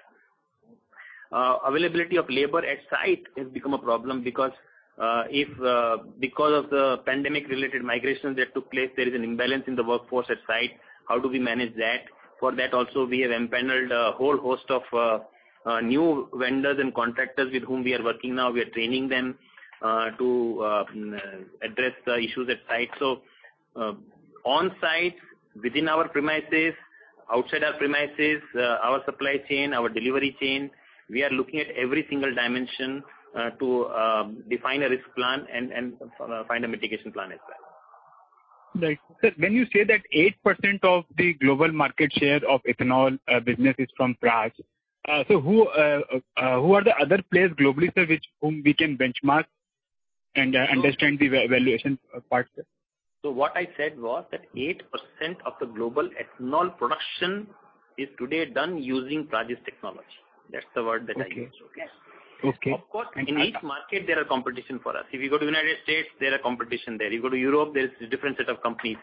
Availability of labor at site has become a problem because of the pandemic-related migrations that took place, there is an imbalance in the workforce at site. How do we manage that? For that also, we have empaneled a whole host of new vendors and contractors with whom we are working now. We are training them to address the issues at site. On-site, within our premises, outside our premises, our supply chain, our delivery chain, we are looking at every single dimension to define a risk plan and find a mitigation plan as well. Right. Sir, when you say that 8% of the global market share of ethanol business is from Praj. Who are the other players globally, sir, whom we can benchmark and understand the valuation part? What I said was that 8% of the global ethanol production is today done using Praj's technology. That's the word that I used. Okay. Of course, in each market, there are competition for us. If you go to the U.S., there are competition there. You go to Europe, there's different set of companies.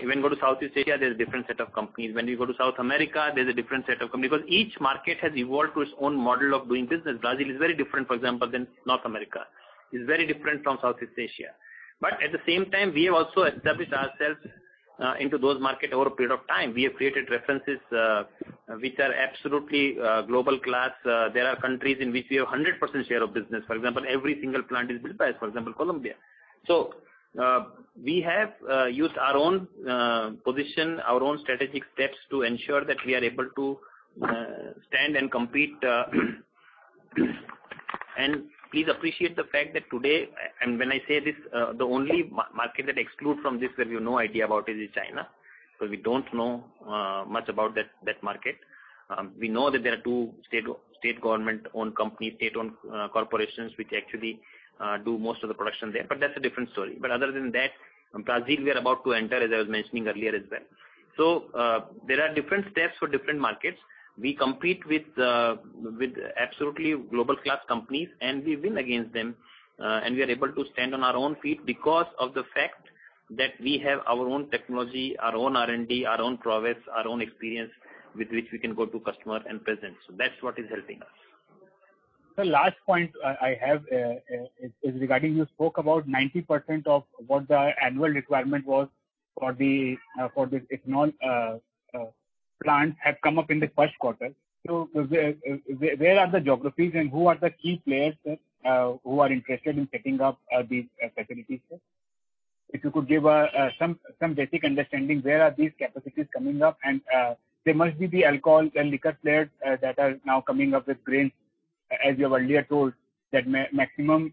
Even go to Southeast Asia, there's a different set of companies. When you go to South America, there's a different set of companies. Because each market has evolved to its own model of doing business. Brazil is very different, for example, than North America, is very different from Southeast Asia. At the same time, we have also established ourselves into those market over a period of time. We have created references which are absolutely global class. There are countries in which we have 100% share of business. For example, every single plant is built by us, for example, Colombia. We have used our own position, our own strategic steps to ensure that we are able to stand and compete. Please appreciate the fact that today, and when I say this, the only market that excludes from this that we have no idea about is China, because we don't know much about that market. We know that there are two state government-owned companies, state-owned corporations, which actually do most of the production there, but that's a different story. Other than that, Brazil, we are about to enter, as I was mentioning earlier as well. There are different steps for different markets. We compete with absolutely global class companies, and we win against them, and we are able to stand on our own feet because of the fact that we have our own technology, our own R&D, our own prowess, our own experience with which we can go to customer and present. That's what is helping us. The last point I have is regarding you spoke about 90% of what the annual requirement was for the ethanol plant have come up in the first quarter. Where are the geographies and who are the key players, sir, who are interested in setting up these facilities, sir? If you could give some basic understanding, where are these capacities coming up? There must be the alcohol and liquor players that are now coming up with grains. As you have earlier told that maximum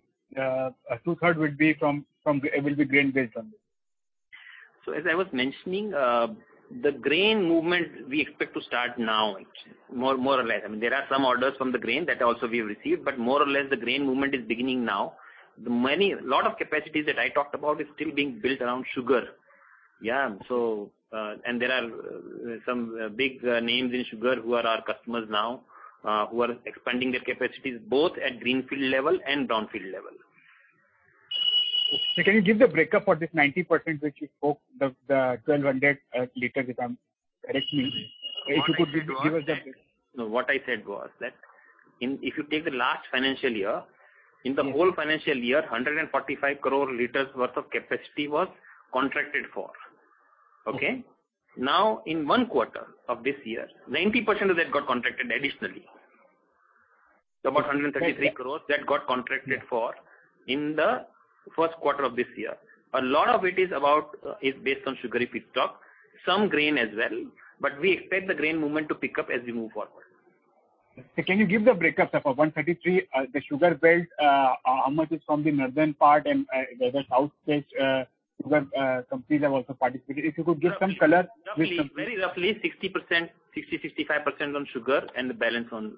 two-thirds will be grain-based on this. As I was mentioning, the grain movement we expect to start now more or less. There are some orders from the grain that also we have received, but more or less the grain movement is beginning now. Lot of capacities that I talked about is still being built around sugar. There are some big names in sugar who are our customers now, who are expanding their capacities both at greenfield level and brownfield level. Sir, can you give the breakup for this 90% which you spoke, the 1,200 liter which I'm asking? If you could give us that. What I said was that if you take the last financial year, in the whole financial year, 145 crore liters worth of capacity was contracted for. Okay? In one quarter of this year, 90% of that got contracted additionally. About 133 crores that got contracted for in the first quarter of this year. A lot of it is based on sugar feedstock, some grain as well, but we expect the grain movement to pick up as we move forward. Sir, can you give the breakups of a 133, the sugar belt, how much is from the northern part and the other south state, sugar companies have also participated, if you could give some color? Very roughly 60%-65% on sugar and the balance on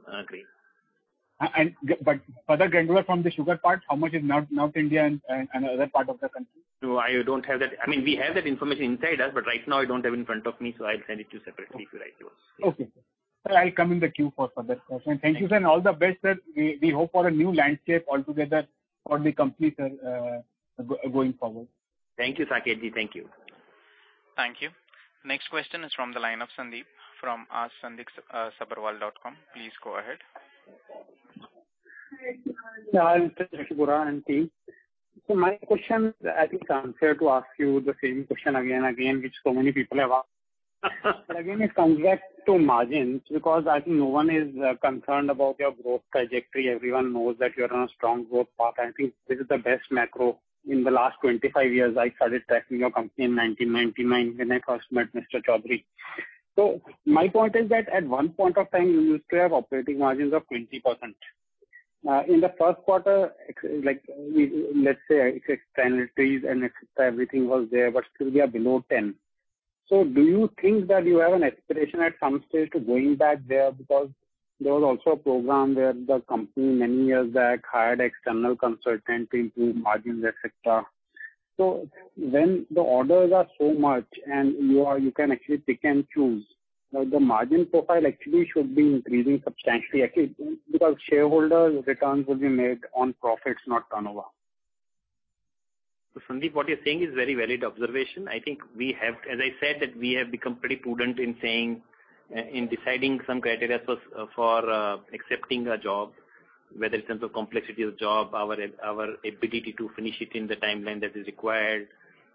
grain. Further granular from the sugar part, how much is North India and other part of the country? No, I don't have that. We have that information inside us, but right now I don't have in front of me, so I'll send it to you separately if you write to us. Okay. Sir, I'll come in the queue for that question. Thank you, sir, and all the best, sir. We hope for a new landscape altogether for the company, sir, going forward. Thank you, Saket. Thank you. Thank you. Next question is from the line of Sandip from asksandipsabharwal.com. Please go ahead. Hi, team. My question, I think I'm fair to ask you the same question again and again, which so many people have asked. Again, it comes back to margins because I think no one is concerned about your growth trajectory. Everyone knows that you're on a strong growth path. I think this is the best macro in the last 25 years. I started tracking your company in 1999 when I first met Mr. Chaudhary. My point is that at one point of time, you used to have operating margins of 20%. In the first quarter, let's say, externalities and everything was there, but still we are below 10. Do you think that you have an aspiration at some stage to going back there because there was also a program where the company many years back hired external consultant to improve margins, et cetera. When the orders are so much and you can actually pick and choose, the margin profile actually should be increasing substantially again, because shareholders' returns will be made on profits, not turnover. Sandip, what you're saying is very valid observation. I think as I said that we have become pretty prudent in deciding some criteria for accepting a job, whether in terms of complexity of job, our ability to finish it in the timeline that is required,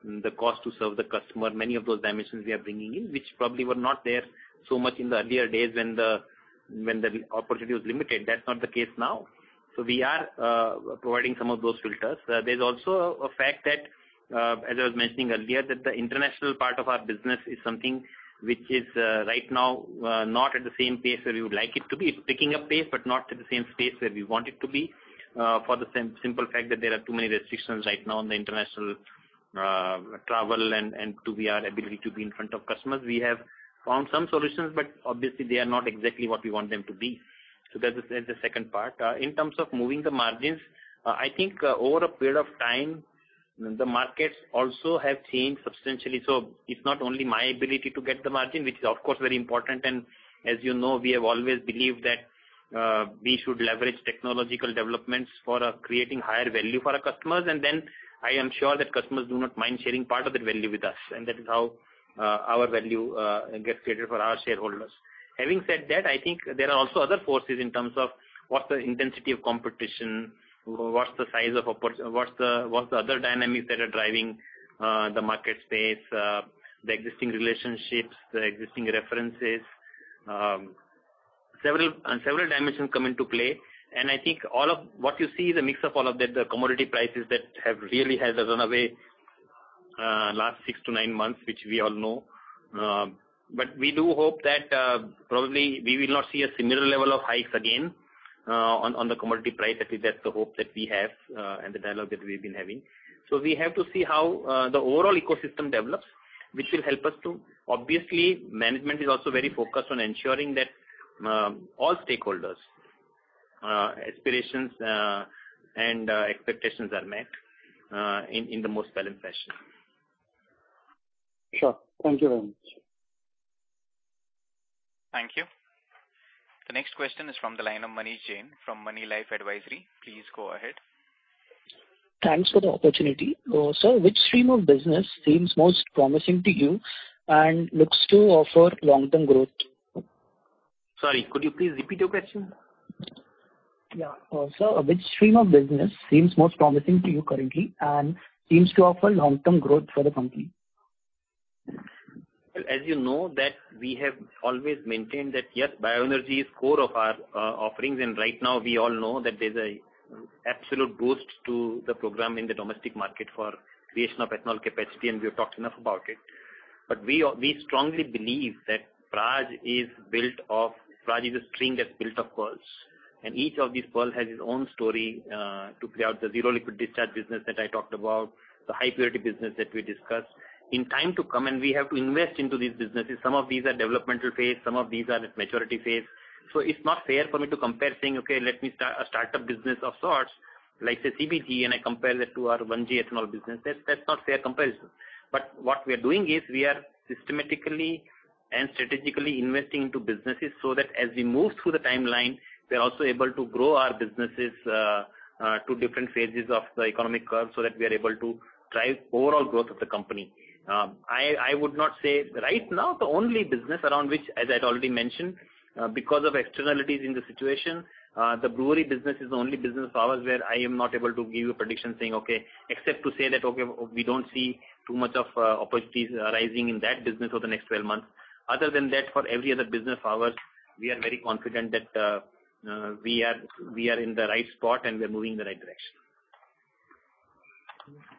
the cost to serve the customer. Many of those dimensions we are bringing in, which probably were not there so much in the earlier days when the opportunity was limited. That's not the case now. We are providing some of those filters. There's also a fact that, as I was mentioning earlier, that the international part of our business is something which is right now not at the same pace that we would like it to be. It's picking up pace, but not at the same pace that we want it to be for the simple fact that there are too many restrictions right now on the international travel and to our ability to be in front of customers. We have found some solutions, but obviously they are not exactly what we want them to be. That's the second part. In terms of moving the margins, I think over a period of time, the markets also have changed substantially. It's not only my ability to get the margin, which is of course, very important, and as you know, we have always believed that we should leverage technological developments for creating higher value for our customers, and then I am sure that customers do not mind sharing part of that value with us, and that is how our value gets created for our shareholders. Having said that, I think there are also other forces in terms of what's the intensity of competition, what are the other dynamics that are driving the market space, the existing relationships, the existing references. Several dimensions come into play. I think all of what you see is a mix of all of that, the commodity prices that have really had a runaway last six to nine months, which we all know. We do hope that probably we will not see a similar level of hikes again on the commodity price. That's the hope that we have and the dialogue that we've been having. We have to see how the overall ecosystem develops, which will help us too. Obviously, management is also very focused on ensuring that all stakeholders' aspirations and expectations are met in the most balanced fashion. Sure. Thank you very much. Thank you. The next question is from the line of Manish Jain from Moneylife Advisory. Please go ahead. Thanks for the opportunity. Sir, which stream of business seems most promising to you and looks to offer long-term growth? Sorry, could you please repeat your question? Yeah. Sir, which stream of business seems most promising to you currently and seems to offer long-term growth for the company? As you know that we have always maintained that, yes, bioenergy is core of our offerings and right now we all know that there's a absolute boost to the program in the domestic market for creation of ethanol capacity. We have talked enough about it. We strongly believe that Praj is a string that's built of pearls, and each of these pearls has its own story to play out. The zero liquid discharge business that I talked about, the high purity business that we discussed. In time to come and we have to invest into these businesses. Some of these are developmental phase, some of these are at maturity phase. It's not fair for me to compare saying, okay, let me start a startup business of sorts, like say CBG, and I compare that to our 1G ethanol business. That's not fair comparison. What we are doing is we are systematically and strategically investing into businesses so that as we move through the timeline, we are also able to grow our businesses to different phases of the economic curve so that we are able to drive overall growth of the company. I would not say right now, the only business around which, as I had already mentioned because of externalities in the situation the brewery business is the only business of ours where I am not able to give you a prediction saying, okay, except to say that, okay, we do not see too much of opportunities arising in that business over the next 12 months. Other than that, for every other business of ours, we are very confident that we are in the right spot and we are moving in the right direction.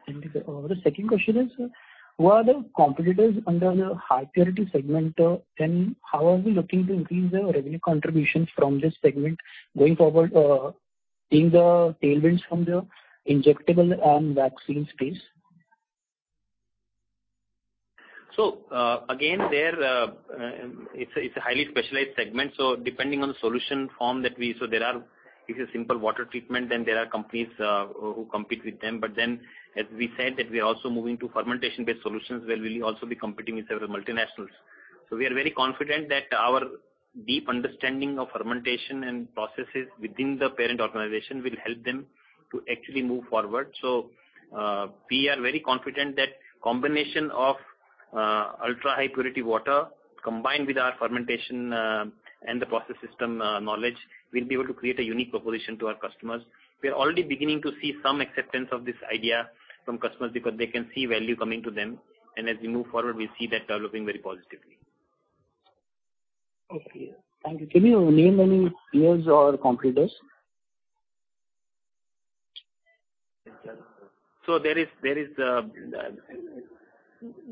Thank you. The second question is, who are the competitors under the high purity segment? How are we looking to increase the revenue contribution from this segment going forward seeing the tailwinds from the injectable and vaccine space? Again, there it's a highly specialized segment. Depending on the solution form, if it's a simple water treatment, there are companies who compete with them. As we said, that we are also moving to fermentation-based solutions where we'll also be competing with several multinationals. We are very confident that our deep understanding of fermentation and processes within the parent organization will help them to actually move forward. We are very confident that combination of ultrahigh purity water combined with our fermentation and the process system knowledge, we'll be able to create a unique proposition to our customers. We are already beginning to see some acceptance of this idea from customers because they can see value coming to them. As we move forward, we see that developing very positively. Okay. Thank you. Can you name any peers or competitors? There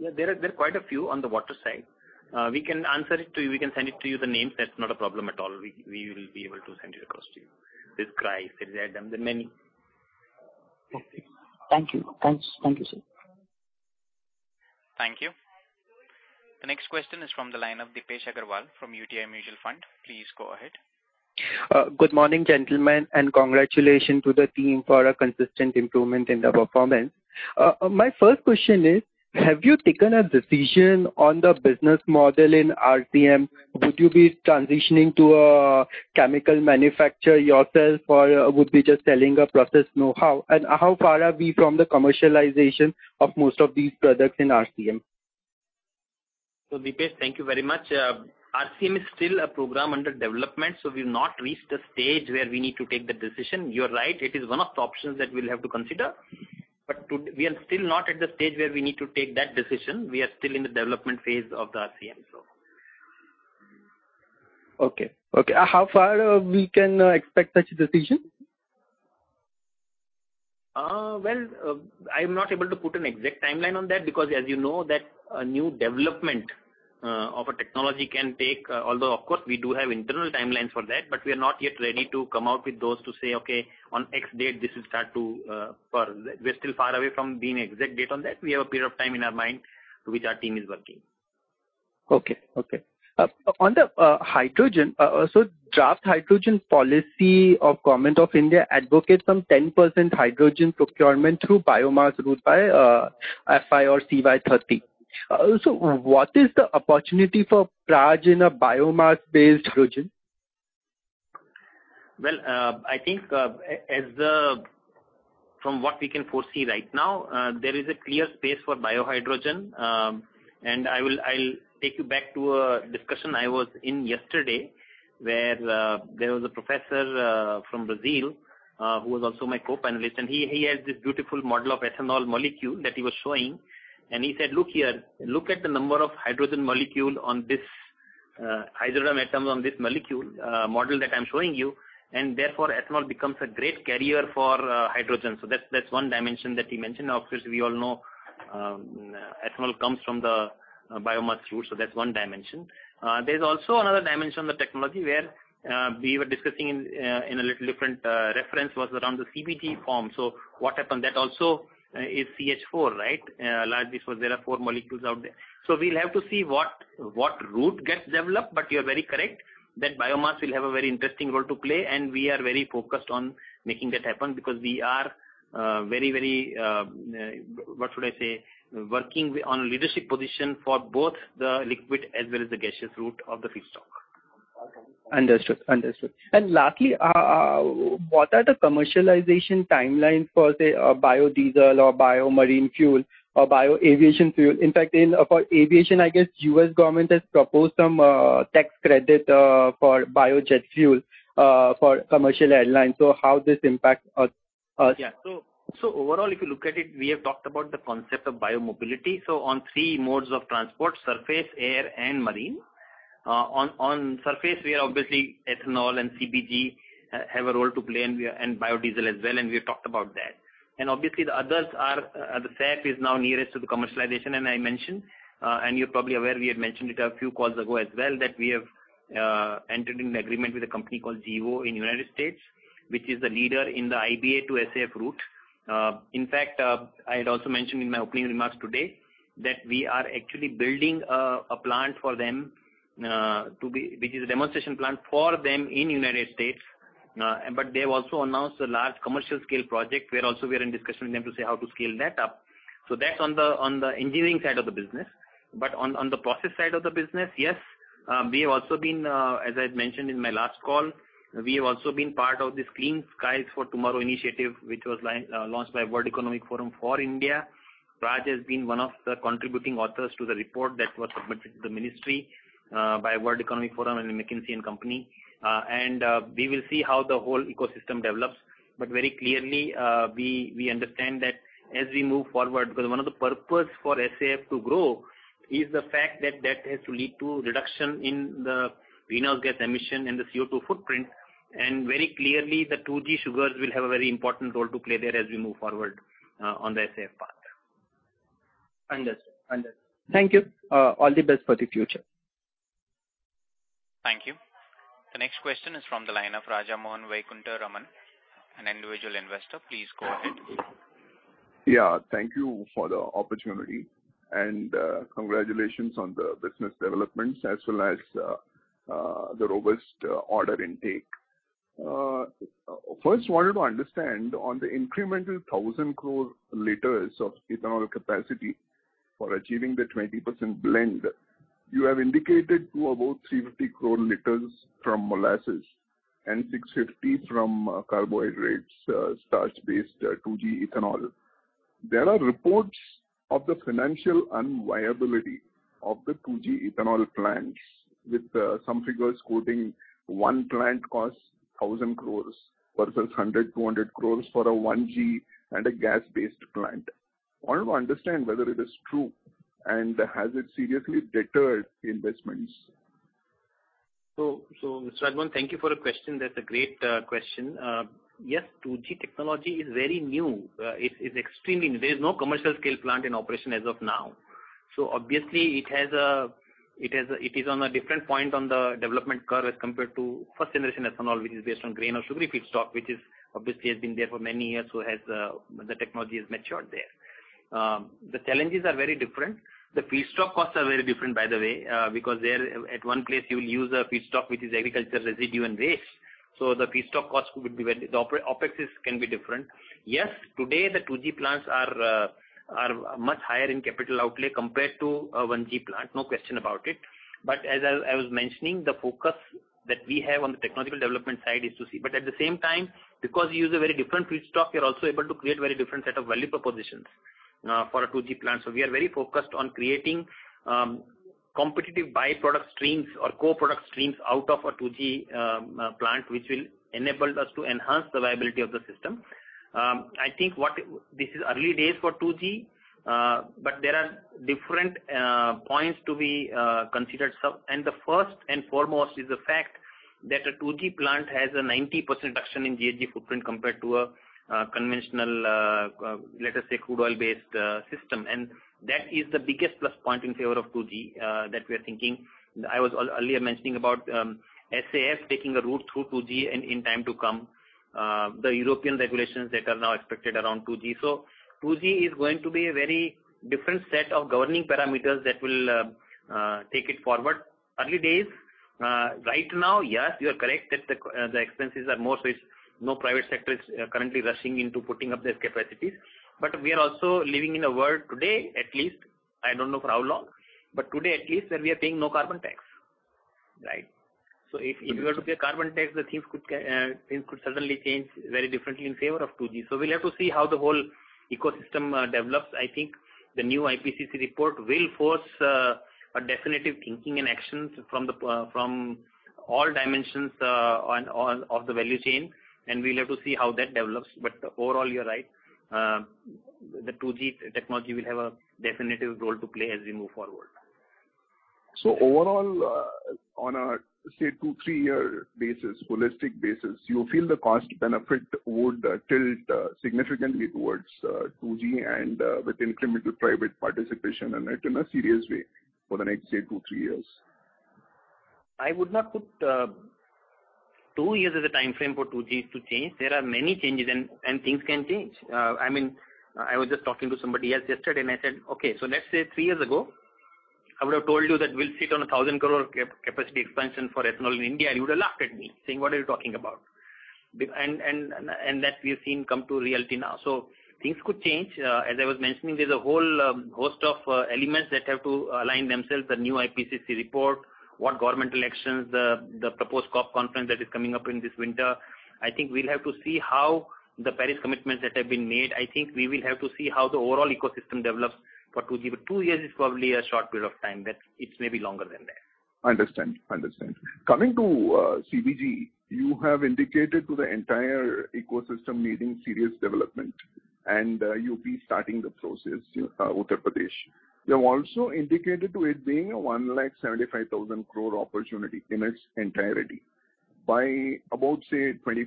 are quite a few on the water side. We can answer it to you. We can send it to you, the names. That's not a problem at all. We will be able to send it across to you. There's Cry, there's Adam. There are many. Okay. Thank you. Thank you, sir. Thank you. The next question is from the line of Deepesh Agarwal from UTI Mutual Fund. Please go ahead. Good morning, gentlemen. Congratulations to the team for a consistent improvement in the performance. My first question is, have you taken a decision on the business model in RCM? Would you be transitioning to a chemical manufacturer yourself, or would be just selling a process know how? How far are we from the commercialization of most of these products in RCM? Deepesh, thank you very much. RCM is still a program under development, we've not reached the stage where we need to take the decision. You're right, it is one of the options that we'll have to consider. We are still not at the stage where we need to take that decision. We are still in the development phase of the RCM. Okay. How far we can expect such a decision? I'm not able to put an exact timeline on that because as you know, that a new development of a technology can take, although of course, we do have internal timelines for that, but we are not yet ready to come out with those to say, okay, on X date, this will start to percolate. We're still far away from being exact date on that. We have a period of time in our mind which our team is working. On the hydrogen, draft hydrogen policy of Government of India advocates some 10% hydrogen procurement through biomass route by FY or CY 2030. What is the opportunity for Praj in a biomass-based hydrogen? I think from what we can foresee right now there is a clear space for biohydrogen. I'll take you back to a discussion I was in yesterday where there was a professor from Brazil who was also my co-panelist, and he has this beautiful model of ethanol molecule that he was showing. He said, "Look here. Look at the number of hydrogen molecule on this hydrogen atoms on this molecule model that I'm showing you. Therefore, ethanol becomes a great carrier for hydrogen." That's one dimension that he mentioned. Of course, we all know ethanol comes from the biomass route. That's one dimension. There's also another dimension on the technology where we were discussing in a little different reference was around the CBG form. What we pump that also is CH4, right? Largely, there are four molecules out there. We'll have to see what route gets developed, but you are very correct that biomass will have a very interesting role to play, and we are very focused on making that happen because we are very, what should I say, working on a leadership position for both the liquid as well as the gaseous route of the feedstock. Lastly, what are the commercialization timelines for, say, biodiesel or bio marine fuel or bio aviation fuel? In fact, for aviation, I guess U.S. government has proposed some tax credit for biojet fuel for commercial airlines. How this impact us? Yeah. Overall, if you look at it, we have talked about the concept of Bio-Mobility. On three modes of transport surface, air, and marine. On surface, we are obviously ethanol and CBG have a role to play, and biodiesel as well, and we have talked about that. Obviously the others are, the SAF is now nearest to the commercialization, and I mentioned, and you're probably aware, we had mentioned it a few calls ago as well, that we have entered into an agreement with a company called Gevo in the U.S., which is the leader in the IBA to SAF route. In fact, I had also mentioned in my opening remarks today that we are actually building a plant for them, which is a demonstration plant for them in the U.S. They have also announced a large commercial scale project, where also we are in discussion with them to say how to scale that up. That's on the engineering side of the business. On the process side of the business, yes, as I had mentioned in my last call, we have also been part of this Clean Skies for Tomorrow initiative, which was launched by World Economic Forum for India. Praj has been one of the contributing authors to the report that was submitted to the ministry by World Economic Forum and the McKinsey & Company. We will see how the whole ecosystem develops. Very clearly, we understand that as we move forward, because one of the purpose for SAF to grow is the fact that that has to lead to reduction in the greenhouse gas emission and the CO2 footprint, very clearly, the 2G sugars will have a very important role to play there as we move forward on the SAF path. Understood. Thank you. All the best for the future. Thank you. The next question is from the line of Rajamohan Vaikuntaraman, an individual investor. Please go ahead. Yeah. Thank you for the opportunity, congratulations on the business developments as well as the robust order intake. First, wanted to understand on the incremental 1,000 crore liters of ethanol capacity for achieving the 20% blend, you have indicated to about 350 crore liters from molasses and 650 from carbohydrates, starch-based 2G ethanol. There are reports of the financial unviability of the 2G ethanol plants, with some figures quoting one plant costs 1,000 crore versus 100 crore-200 crore for a 1G and a gas-based plant. Wanted to understand whether it is true, has it seriously deterred investments? Rajamohan, thank you for the question. That's a great question. Yes, 2G technology is very new. It's extremely new. There is no commercial scale plant in operation as of now. Obviously it is on a different point on the development curve as compared to first generation ethanol, which is based on grain or sugarcane feedstock, which obviously has been there for many years, so the technology is matured there. The challenges are very different. The feedstock costs are very different, by the way, because there at one place you will use a feedstock which is agriculture residue and waste. The feedstock costs, the OpEx can be different. Yes, today, the 2G plants are much higher in capital outlay compared to a 1G plant. No question about it. As I was mentioning, the focus that we have on the technological development side is to see. At the same time, because you use a very different feedstock, you're also able to create very different set of value propositions for a 2G plant. We are very focused on creating competitive by-product streams or co-product streams out of a 2G plant, which will enable us to enhance the viability of the system. I think this is early days for 2G, but there are different points to be considered. The first and foremost is the fact that a 2G plant has a 90% reduction in GHG footprint compared to a conventional, let us say, crude oil based system. That is the biggest plus point in favor of 2G that we're thinking. I was earlier mentioning about SAF taking a route through 2G and in time to come, the European regulations that are now expected around 2G. 2G is going to be a very different set of governing parameters that will take it forward. Early days. Right now, yes, you are correct that the expenses are more, so no private sector is currently rushing into putting up these capacities. We are also living in a world today, at least, I don't know for how long, but today, at least, where we are paying no carbon tax. Right. If you were to pay carbon tax, the things could suddenly change very differently in favor of 2G. We'll have to see how the whole ecosystem develops. I think the new IPCC report will force a definitive thinking and actions from all dimensions of the value chain, and we'll have to see how that develops. Overall, you're right. The 2G technology will have a definitive role to play as we move forward. Overall, on a, say, two, three year basis, holistic basis, you feel the cost benefit would tilt significantly towards 2G and with incremental private participation in it in a serious way for the next, say, two, three years? I would not put two years as a timeframe for 2G to change. There are many changes and things can change. I was just talking to somebody else yesterday and I said, okay, let's say three years ago, I would have told you that we'll sit on a 1,000 crore capacity expansion for ethanol in India, you would've laughed at me saying, "What are you talking about?" That we've seen come to reality now. Things could change. As I was mentioning, there's a whole host of elements that have to align themselves, the new IPCC report, what government elections, the proposed COP conference that is coming up in this winter. I think we'll have to see how the Paris commitments that have been made. I think we will have to see how the overall ecosystem develops for 2G. Two years is probably a short period of time. It's maybe longer than that. Understand. Coming to CBG, you have indicated to the entire ecosystem needing serious development. You'll be starting the process in Uttar Pradesh. They've also indicated to it being a 175,000 crore opportunity in its entirety. By about, say, 2025-2026,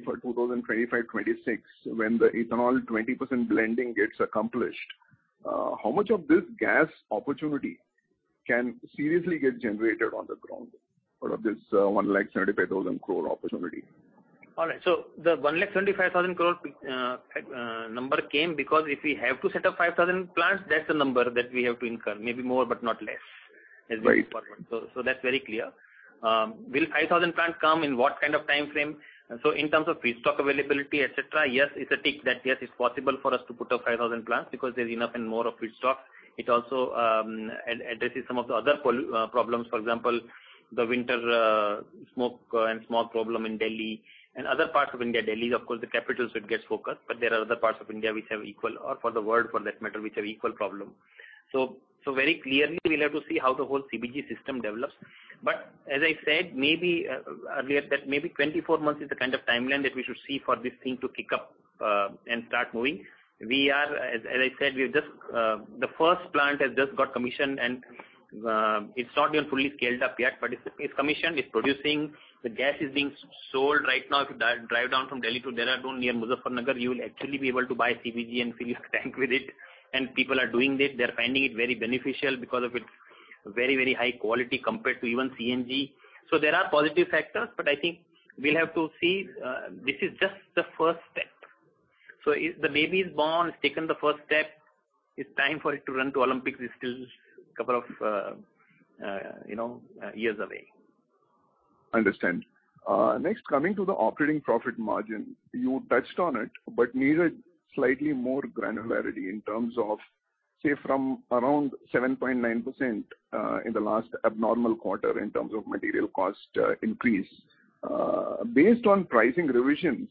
when the ethanol 20% blending gets accomplished, how much of this gas opportunity can seriously get generated on the ground out of this 175,000 crore opportunity? All right. The 175,000 crore number came because if we have to set up 5,000 plants, that's the number that we have to incur, maybe more, but not less. Right. That's very clear. Will 5,000 plants come, in what kind of time frame? In terms of feedstock availability, et cetera, yes, it's a tick that, yes, it's possible for us to put up 5,000 plants because there's enough and more of feedstock. It also addresses some of the other problems. For example, the winter smoke and smog problem in Delhi and other parts of India. Delhi is, of course, the capital, so it gets focused, but there are other parts of India which have equal, or for the world for that matter, which have equal problem. Very clearly, we'll have to see how the whole CBG system develops. As I said earlier that maybe 24 months is the kind of timeline that we should see for this thing to kick up and start moving. As I said, the first plant has just got commissioned, and it's not been fully scaled up yet. It's commissioned, it's producing. The gas is being sold right now. If you drive down from Delhi to Dehradun near Muzaffarnagar, you will actually be able to buy CBG and fill your tank with it. People are doing this. They're finding it very beneficial because of its very high quality compared to even CNG. There are positive factors, but I think we'll have to see. This is just the first step. The baby is born, it's taken the first step. It's time for it to run to Olympics. It's still a couple of years away. Understand. Coming to the operating profit margin. You touched on it, but needed slightly more granularity in terms of, say, from around 7.9% in the last abnormal quarter in terms of material cost increase. Based on pricing revisions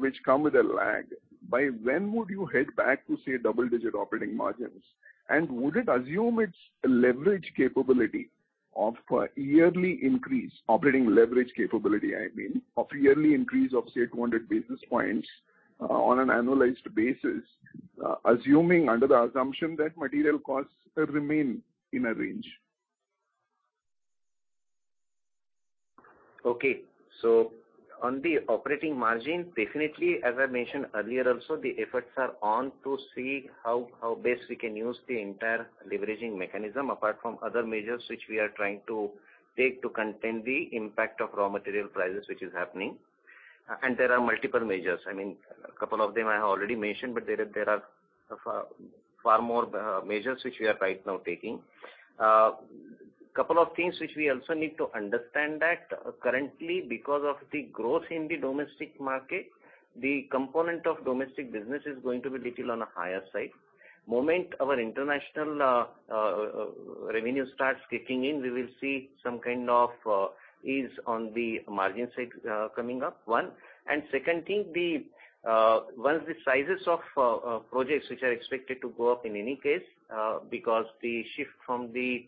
which come with a lag, by when would you head back to, say, double-digit operating margins? Would it assume its leverage capability of a yearly increase, operating leverage capability, I mean, of a yearly increase of, say, 200 basis points on an annualized basis, assuming under the assumption that material costs remain in a range? Okay. On the operating margin, definitely, as I mentioned earlier also, the efforts are on to see how best we can use the entire leveraging mechanism apart from other measures which we are trying to take to contain the impact of raw material prices, which is happening. There are multiple measures. A couple of them I have already mentioned, but there are far more measures which we are right now taking. A couple of things which we also need to understand that currently, because of the growth in the domestic market, the component of domestic business is going to be little on a higher side. Moment our international revenue starts kicking in, we will see some kind of ease on the margin side coming up, one. Second, once the sizes of projects which are expected to go up in any case because the shift from the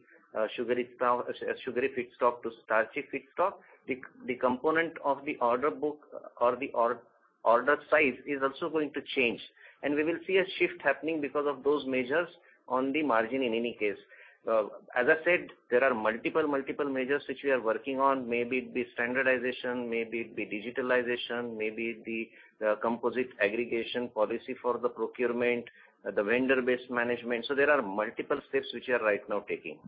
sugary feedstock to starchy feedstock, the component of the order book or the order size is also going to change. We will see a shift happening because of those measures on the margin in any case. As I said, there are multiple measures which we are working on. Maybe the standardization, maybe the digitalization, maybe the composite aggregation policy for the procurement, the vendor base management. There are multiple steps which we are right now taking.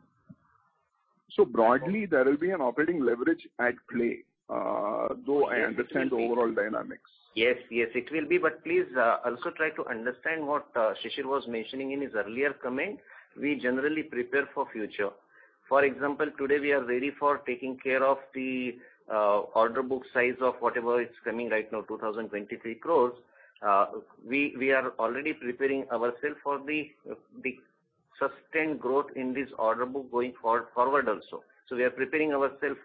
Broadly, there will be an operating leverage at play, though I understand the overall dynamics. Yes, it will be. Please also try to understand what Shishir was mentioning in his earlier comment. We generally prepare for future. For example, today we are ready for taking care of the order book size of whatever is coming right now, 2,023 crores. We are already preparing ourselves for the sustained growth in this order book going forward also. We are preparing ourselves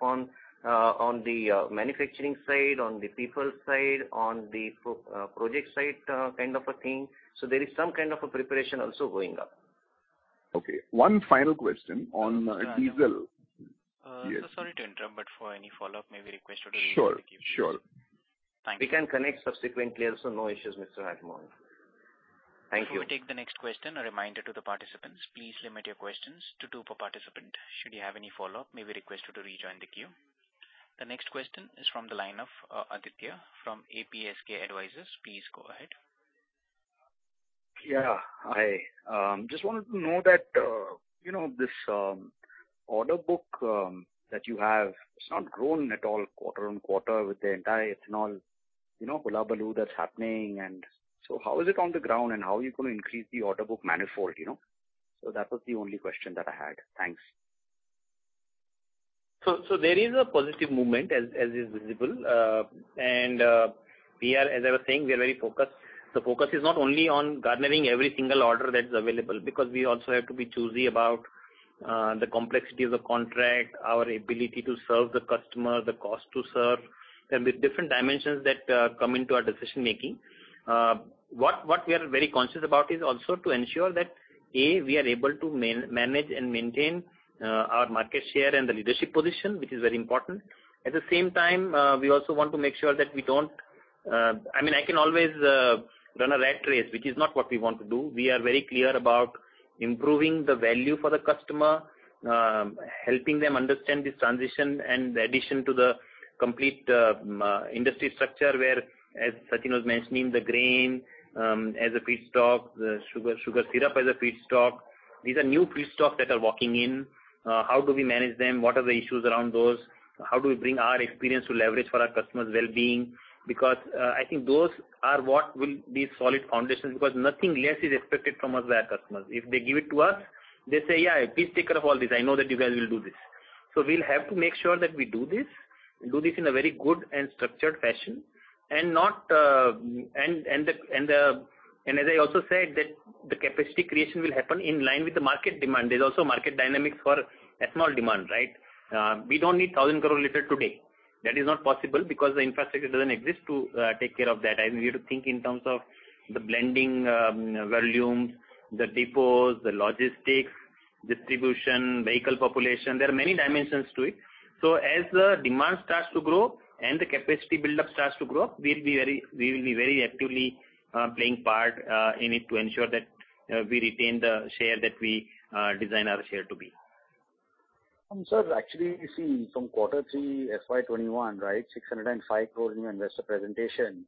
on the manufacturing side, on the people side, on the project side kind of a thing. There is some kind of a preparation also going up. Okay. One final question on diesel. Sorry to interrupt, but for any follow-up, may we request you to rejoin the queue, please? Sure. We can connect subsequently also. No issues, Mr. Rajamohan. Thank you. Before we take the next question, a reminder to the participants, please limit your questions to two per participant. Should you have any follow-up, may we request you to rejoin the queue. The next question is from the line of Aditya from APSK Advisors. Please go ahead. Yeah. Hi. Just wanted to know that this order book that you have, it's not grown at all quarter-on-quarter with the entire ethanol hullabaloo that's happening. How is it on the ground, and how are you going to increase the order book manifold? That was the only question that I had. Thanks. There is a positive movement as is visible. As I was saying, we are very focused. The focus is not only on garnering every single order that's available, because we also have to be choosy about the complexity of the contract, our ability to serve the customer, the cost to serve. There are different dimensions that come into our decision making. What we are very conscious about is also to ensure that A, we are able to manage and maintain our market share and the leadership position, which is very important. At the same time, we also want to make sure that we don't. I can always run a rat race, which is not what we want to do. We are very clear about improving the value for the customer, helping them understand this transition and the addition to the complete industry structure where, as Sachin was mentioning, the grain as a feedstock, the sugar syrup as a feedstock. These are new feedstocks that are walking in. How do we manage them? What are the issues around those? How do we bring our experience to leverage for our customers' wellbeing? I think those are what will be solid foundations, because nothing less is expected from us by our customers. If they give it to us, they say, "Yeah, please take care of all this. I know that you guys will do this." We'll have to make sure that we do this, and do this in a very good and structured fashion. As I also said that the capacity creation will happen in line with the market demand. There's also market dynamics for ethanol demand, right? We don't need 1,000 crore liter today. That is not possible because the infrastructure doesn't exist to take care of that. We have to think in terms of the blending volumes, the depots, the logistics, distribution, vehicle population. There are many dimensions to it. As the demand starts to grow and the capacity buildup starts to grow, we will be very actively playing part in it to ensure that we retain the share that we design our share to be. Sir, actually, you see from quarter three FY 2021, 605 crore in your investor presentation,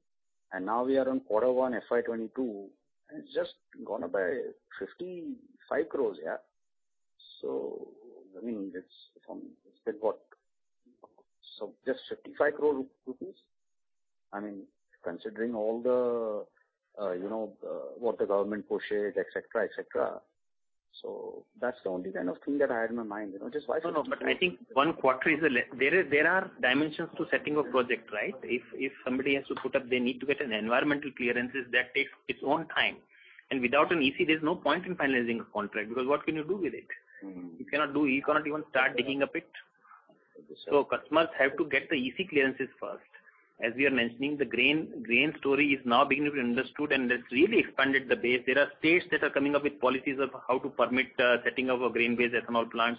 and now we are on quarter one FY 2022, and it's just gone up by 55 crores. It's still got just 55 crore rupees. Considering all the what the government pushes, et cetera. That's the only kind of thing that I had in my mind. No, there are dimensions to setting a project, right? If somebody has to put up, they need to get environmental clearances. That takes its own time. Without an EC, there's no point in finalizing a contract, because what can you do with it? You cannot even start digging a pit. Okay, sir. Customers have to get the EC clearances first. As we are mentioning, the grain story is now beginning to be understood, and that's really expanded the base. There are states that are coming up with policies of how to permit setting up a grain-based ethanol plant.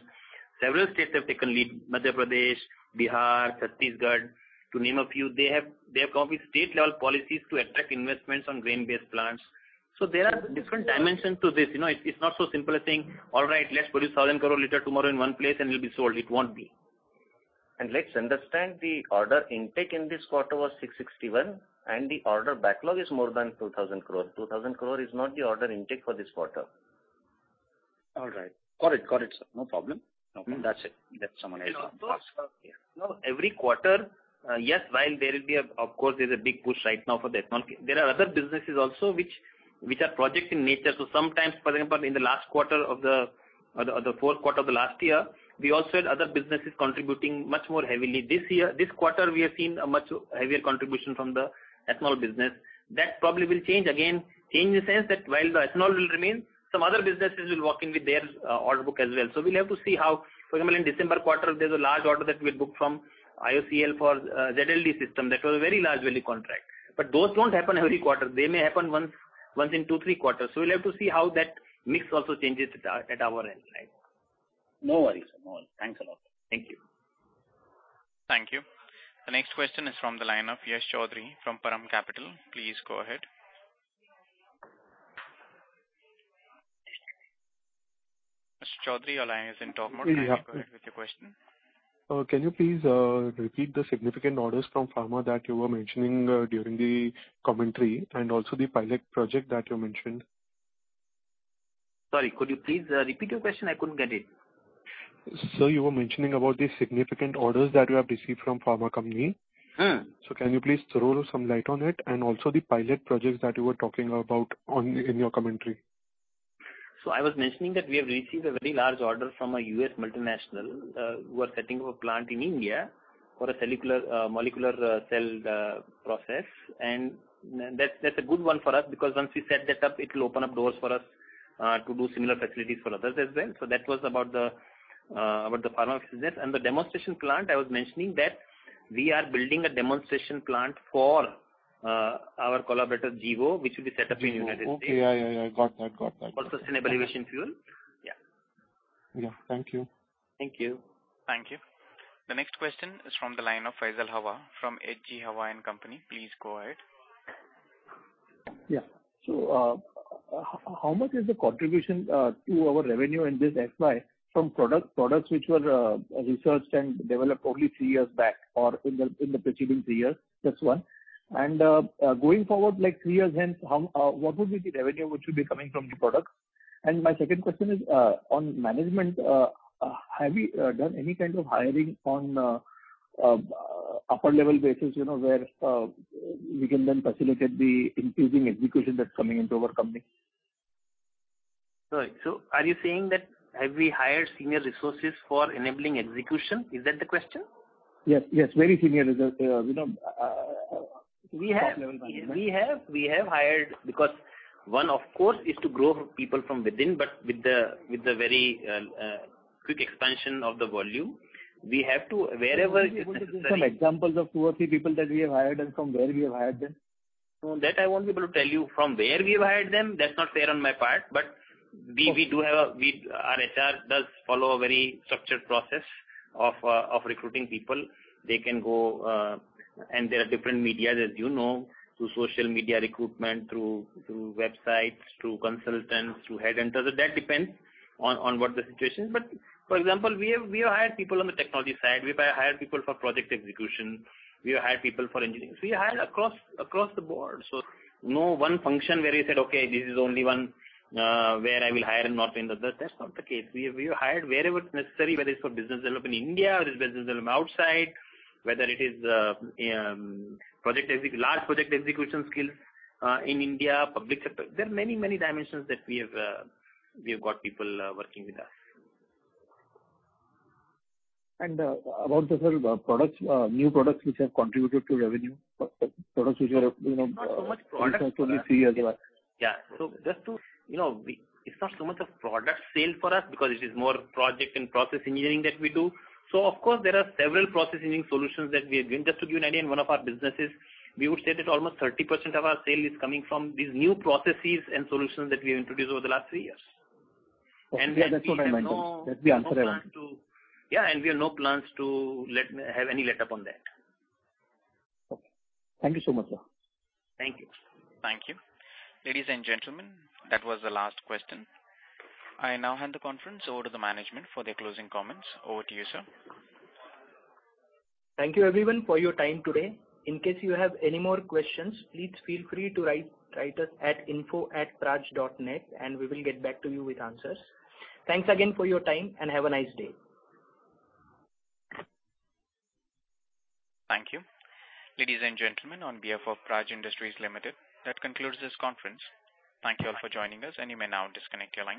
Several states have taken lead. Madhya Pradesh, Bihar, Chhattisgarh, to name a few. They have come with state-level policies to attract investments on grain-based plants. There are different dimensions to this. It's not so simple a thing. All right, let's produce 1,000 crore liter tomorrow in one place, and it'll be sold. It won't be. Let's understand, the order intake in this quarter was 661, and the order backlog is more than 2,000 crore. 2,000 crore is not the order intake for this quarter. All right. Got it, sir. No problem. That's it. That's someone else's. Every quarter, yes, while there will be, of course, there's a big push right now for the ethanol. There are other businesses also which are project in nature. Sometimes, for example, in the fourth quarter of the last year, we also had other businesses contributing much more heavily. This quarter, we have seen a much heavier contribution from the ethanol business. That probably will change again. Change in the sense that while the ethanol will remain, some other businesses will walk in with their order book as well. We'll have to see how, for example, in December quarter, there's a large order that we had booked from IOCL for ZLD system. That was a very large value contract. Those won't happen every quarter. They may happen once in two, three quarters. We'll have to see how that mix also changes at our end. No worries. Thanks a lot. Thank you. Thank you. The next question is from the line of Yash Choudhary from Param Capital. Please go ahead. Mr. Choudhary, your line is in talk mode. Yeah. Please go ahead with your question. Can you please repeat the significant orders from pharma that you were mentioning during the commentary, and also the pilot project that you mentioned? Sorry, could you please repeat your question? I couldn't get it. Sir, you were mentioning about the significant orders that you have received from pharma company. Can you please throw some light on it and also the pilot projects that you were talking about in your commentary? I was mentioning that we have received a very large order from a U.S. multinational, who are setting up a plant in India for a molecular cell process. That's a good one for us, because once we set that up, it will open up doors for us to do similar facilities for others as well. That was about the pharma business. The demonstration plant, I was mentioning that we are building a demonstration plant for our collaborator, Gevo, which will be set up in the United States. Gevo. Okay. I got that. For sustainable aviation fuel. Yeah. Yeah. Thank you. Thank you. Thank you. The next question is from the line of Faisal Hawa from H. G. Hawa and Company. Please go ahead. Yeah. How much is the contribution to our revenue in this FY from products which were researched and developed only three years back or in the preceding three years? That's one. Going forward like three years hence, what would be the revenue which will be coming from new products? My second question is on management. Have we done any kind of hiring on upper-level basis, where we can then facilitate the increasing execution that's coming into our company? Sorry. Are you saying that have we hired senior resources for enabling execution? Is that the question? Yes. Very senior resource. Top-level management. We have hired because one, of course, is to grow people from within, but with the very quick expansion of the volume, we have to wherever. Are you able to give some examples of two or three people that we have hired and from where we have hired them? That I won't be able to tell you from where we've hired them. That's not fair on my part. Our HR does follow a very structured process of recruiting people. There are different medias, as you know, through social media recruitment, through websites, through consultants, through headhunters. That depends on what the situation is. For example, we have hired people on the technology side. We've hired people for project execution. We have hired people for engineering. We hire across the board. No one function where you said, "Okay, this is only one where I will hire and not in the other." That's not the case. We have hired wherever it's necessary, whether it's for business development India, whether it's business development outside, whether it is large project execution skills in India, public sector. There are many dimensions that we've got people working with us. About the new products which have contributed to revenue. Not so much products. In the last three years. It's not so much a product sale for us because it is more project and process engineering that we do. Of course, there are several process engineering solutions that we are doing. Just to give you an idea, in one of our businesses, we would say that almost 30% of our sale is coming from these new processes and solutions that we have introduced over the last three years. Okay. That's what I meant. That's the answer I want. We have no plans to have any letup on that. Okay. Thank you so much, sir. Thank you. Thank you. Ladies and gentlemen, that was the last question. I now hand the conference over to the management for their closing comments. Over to you, sir. Thank you everyone for your time today. In case you have any more questions, please feel free to write us at info@praj.net, and we will get back to you with answers. Thanks again for your time, and have a nice day. Thank you. Ladies and gentlemen, on behalf of Praj Industries Limited, that concludes this conference. Thank you all for joining us, and you may now disconnect your lines.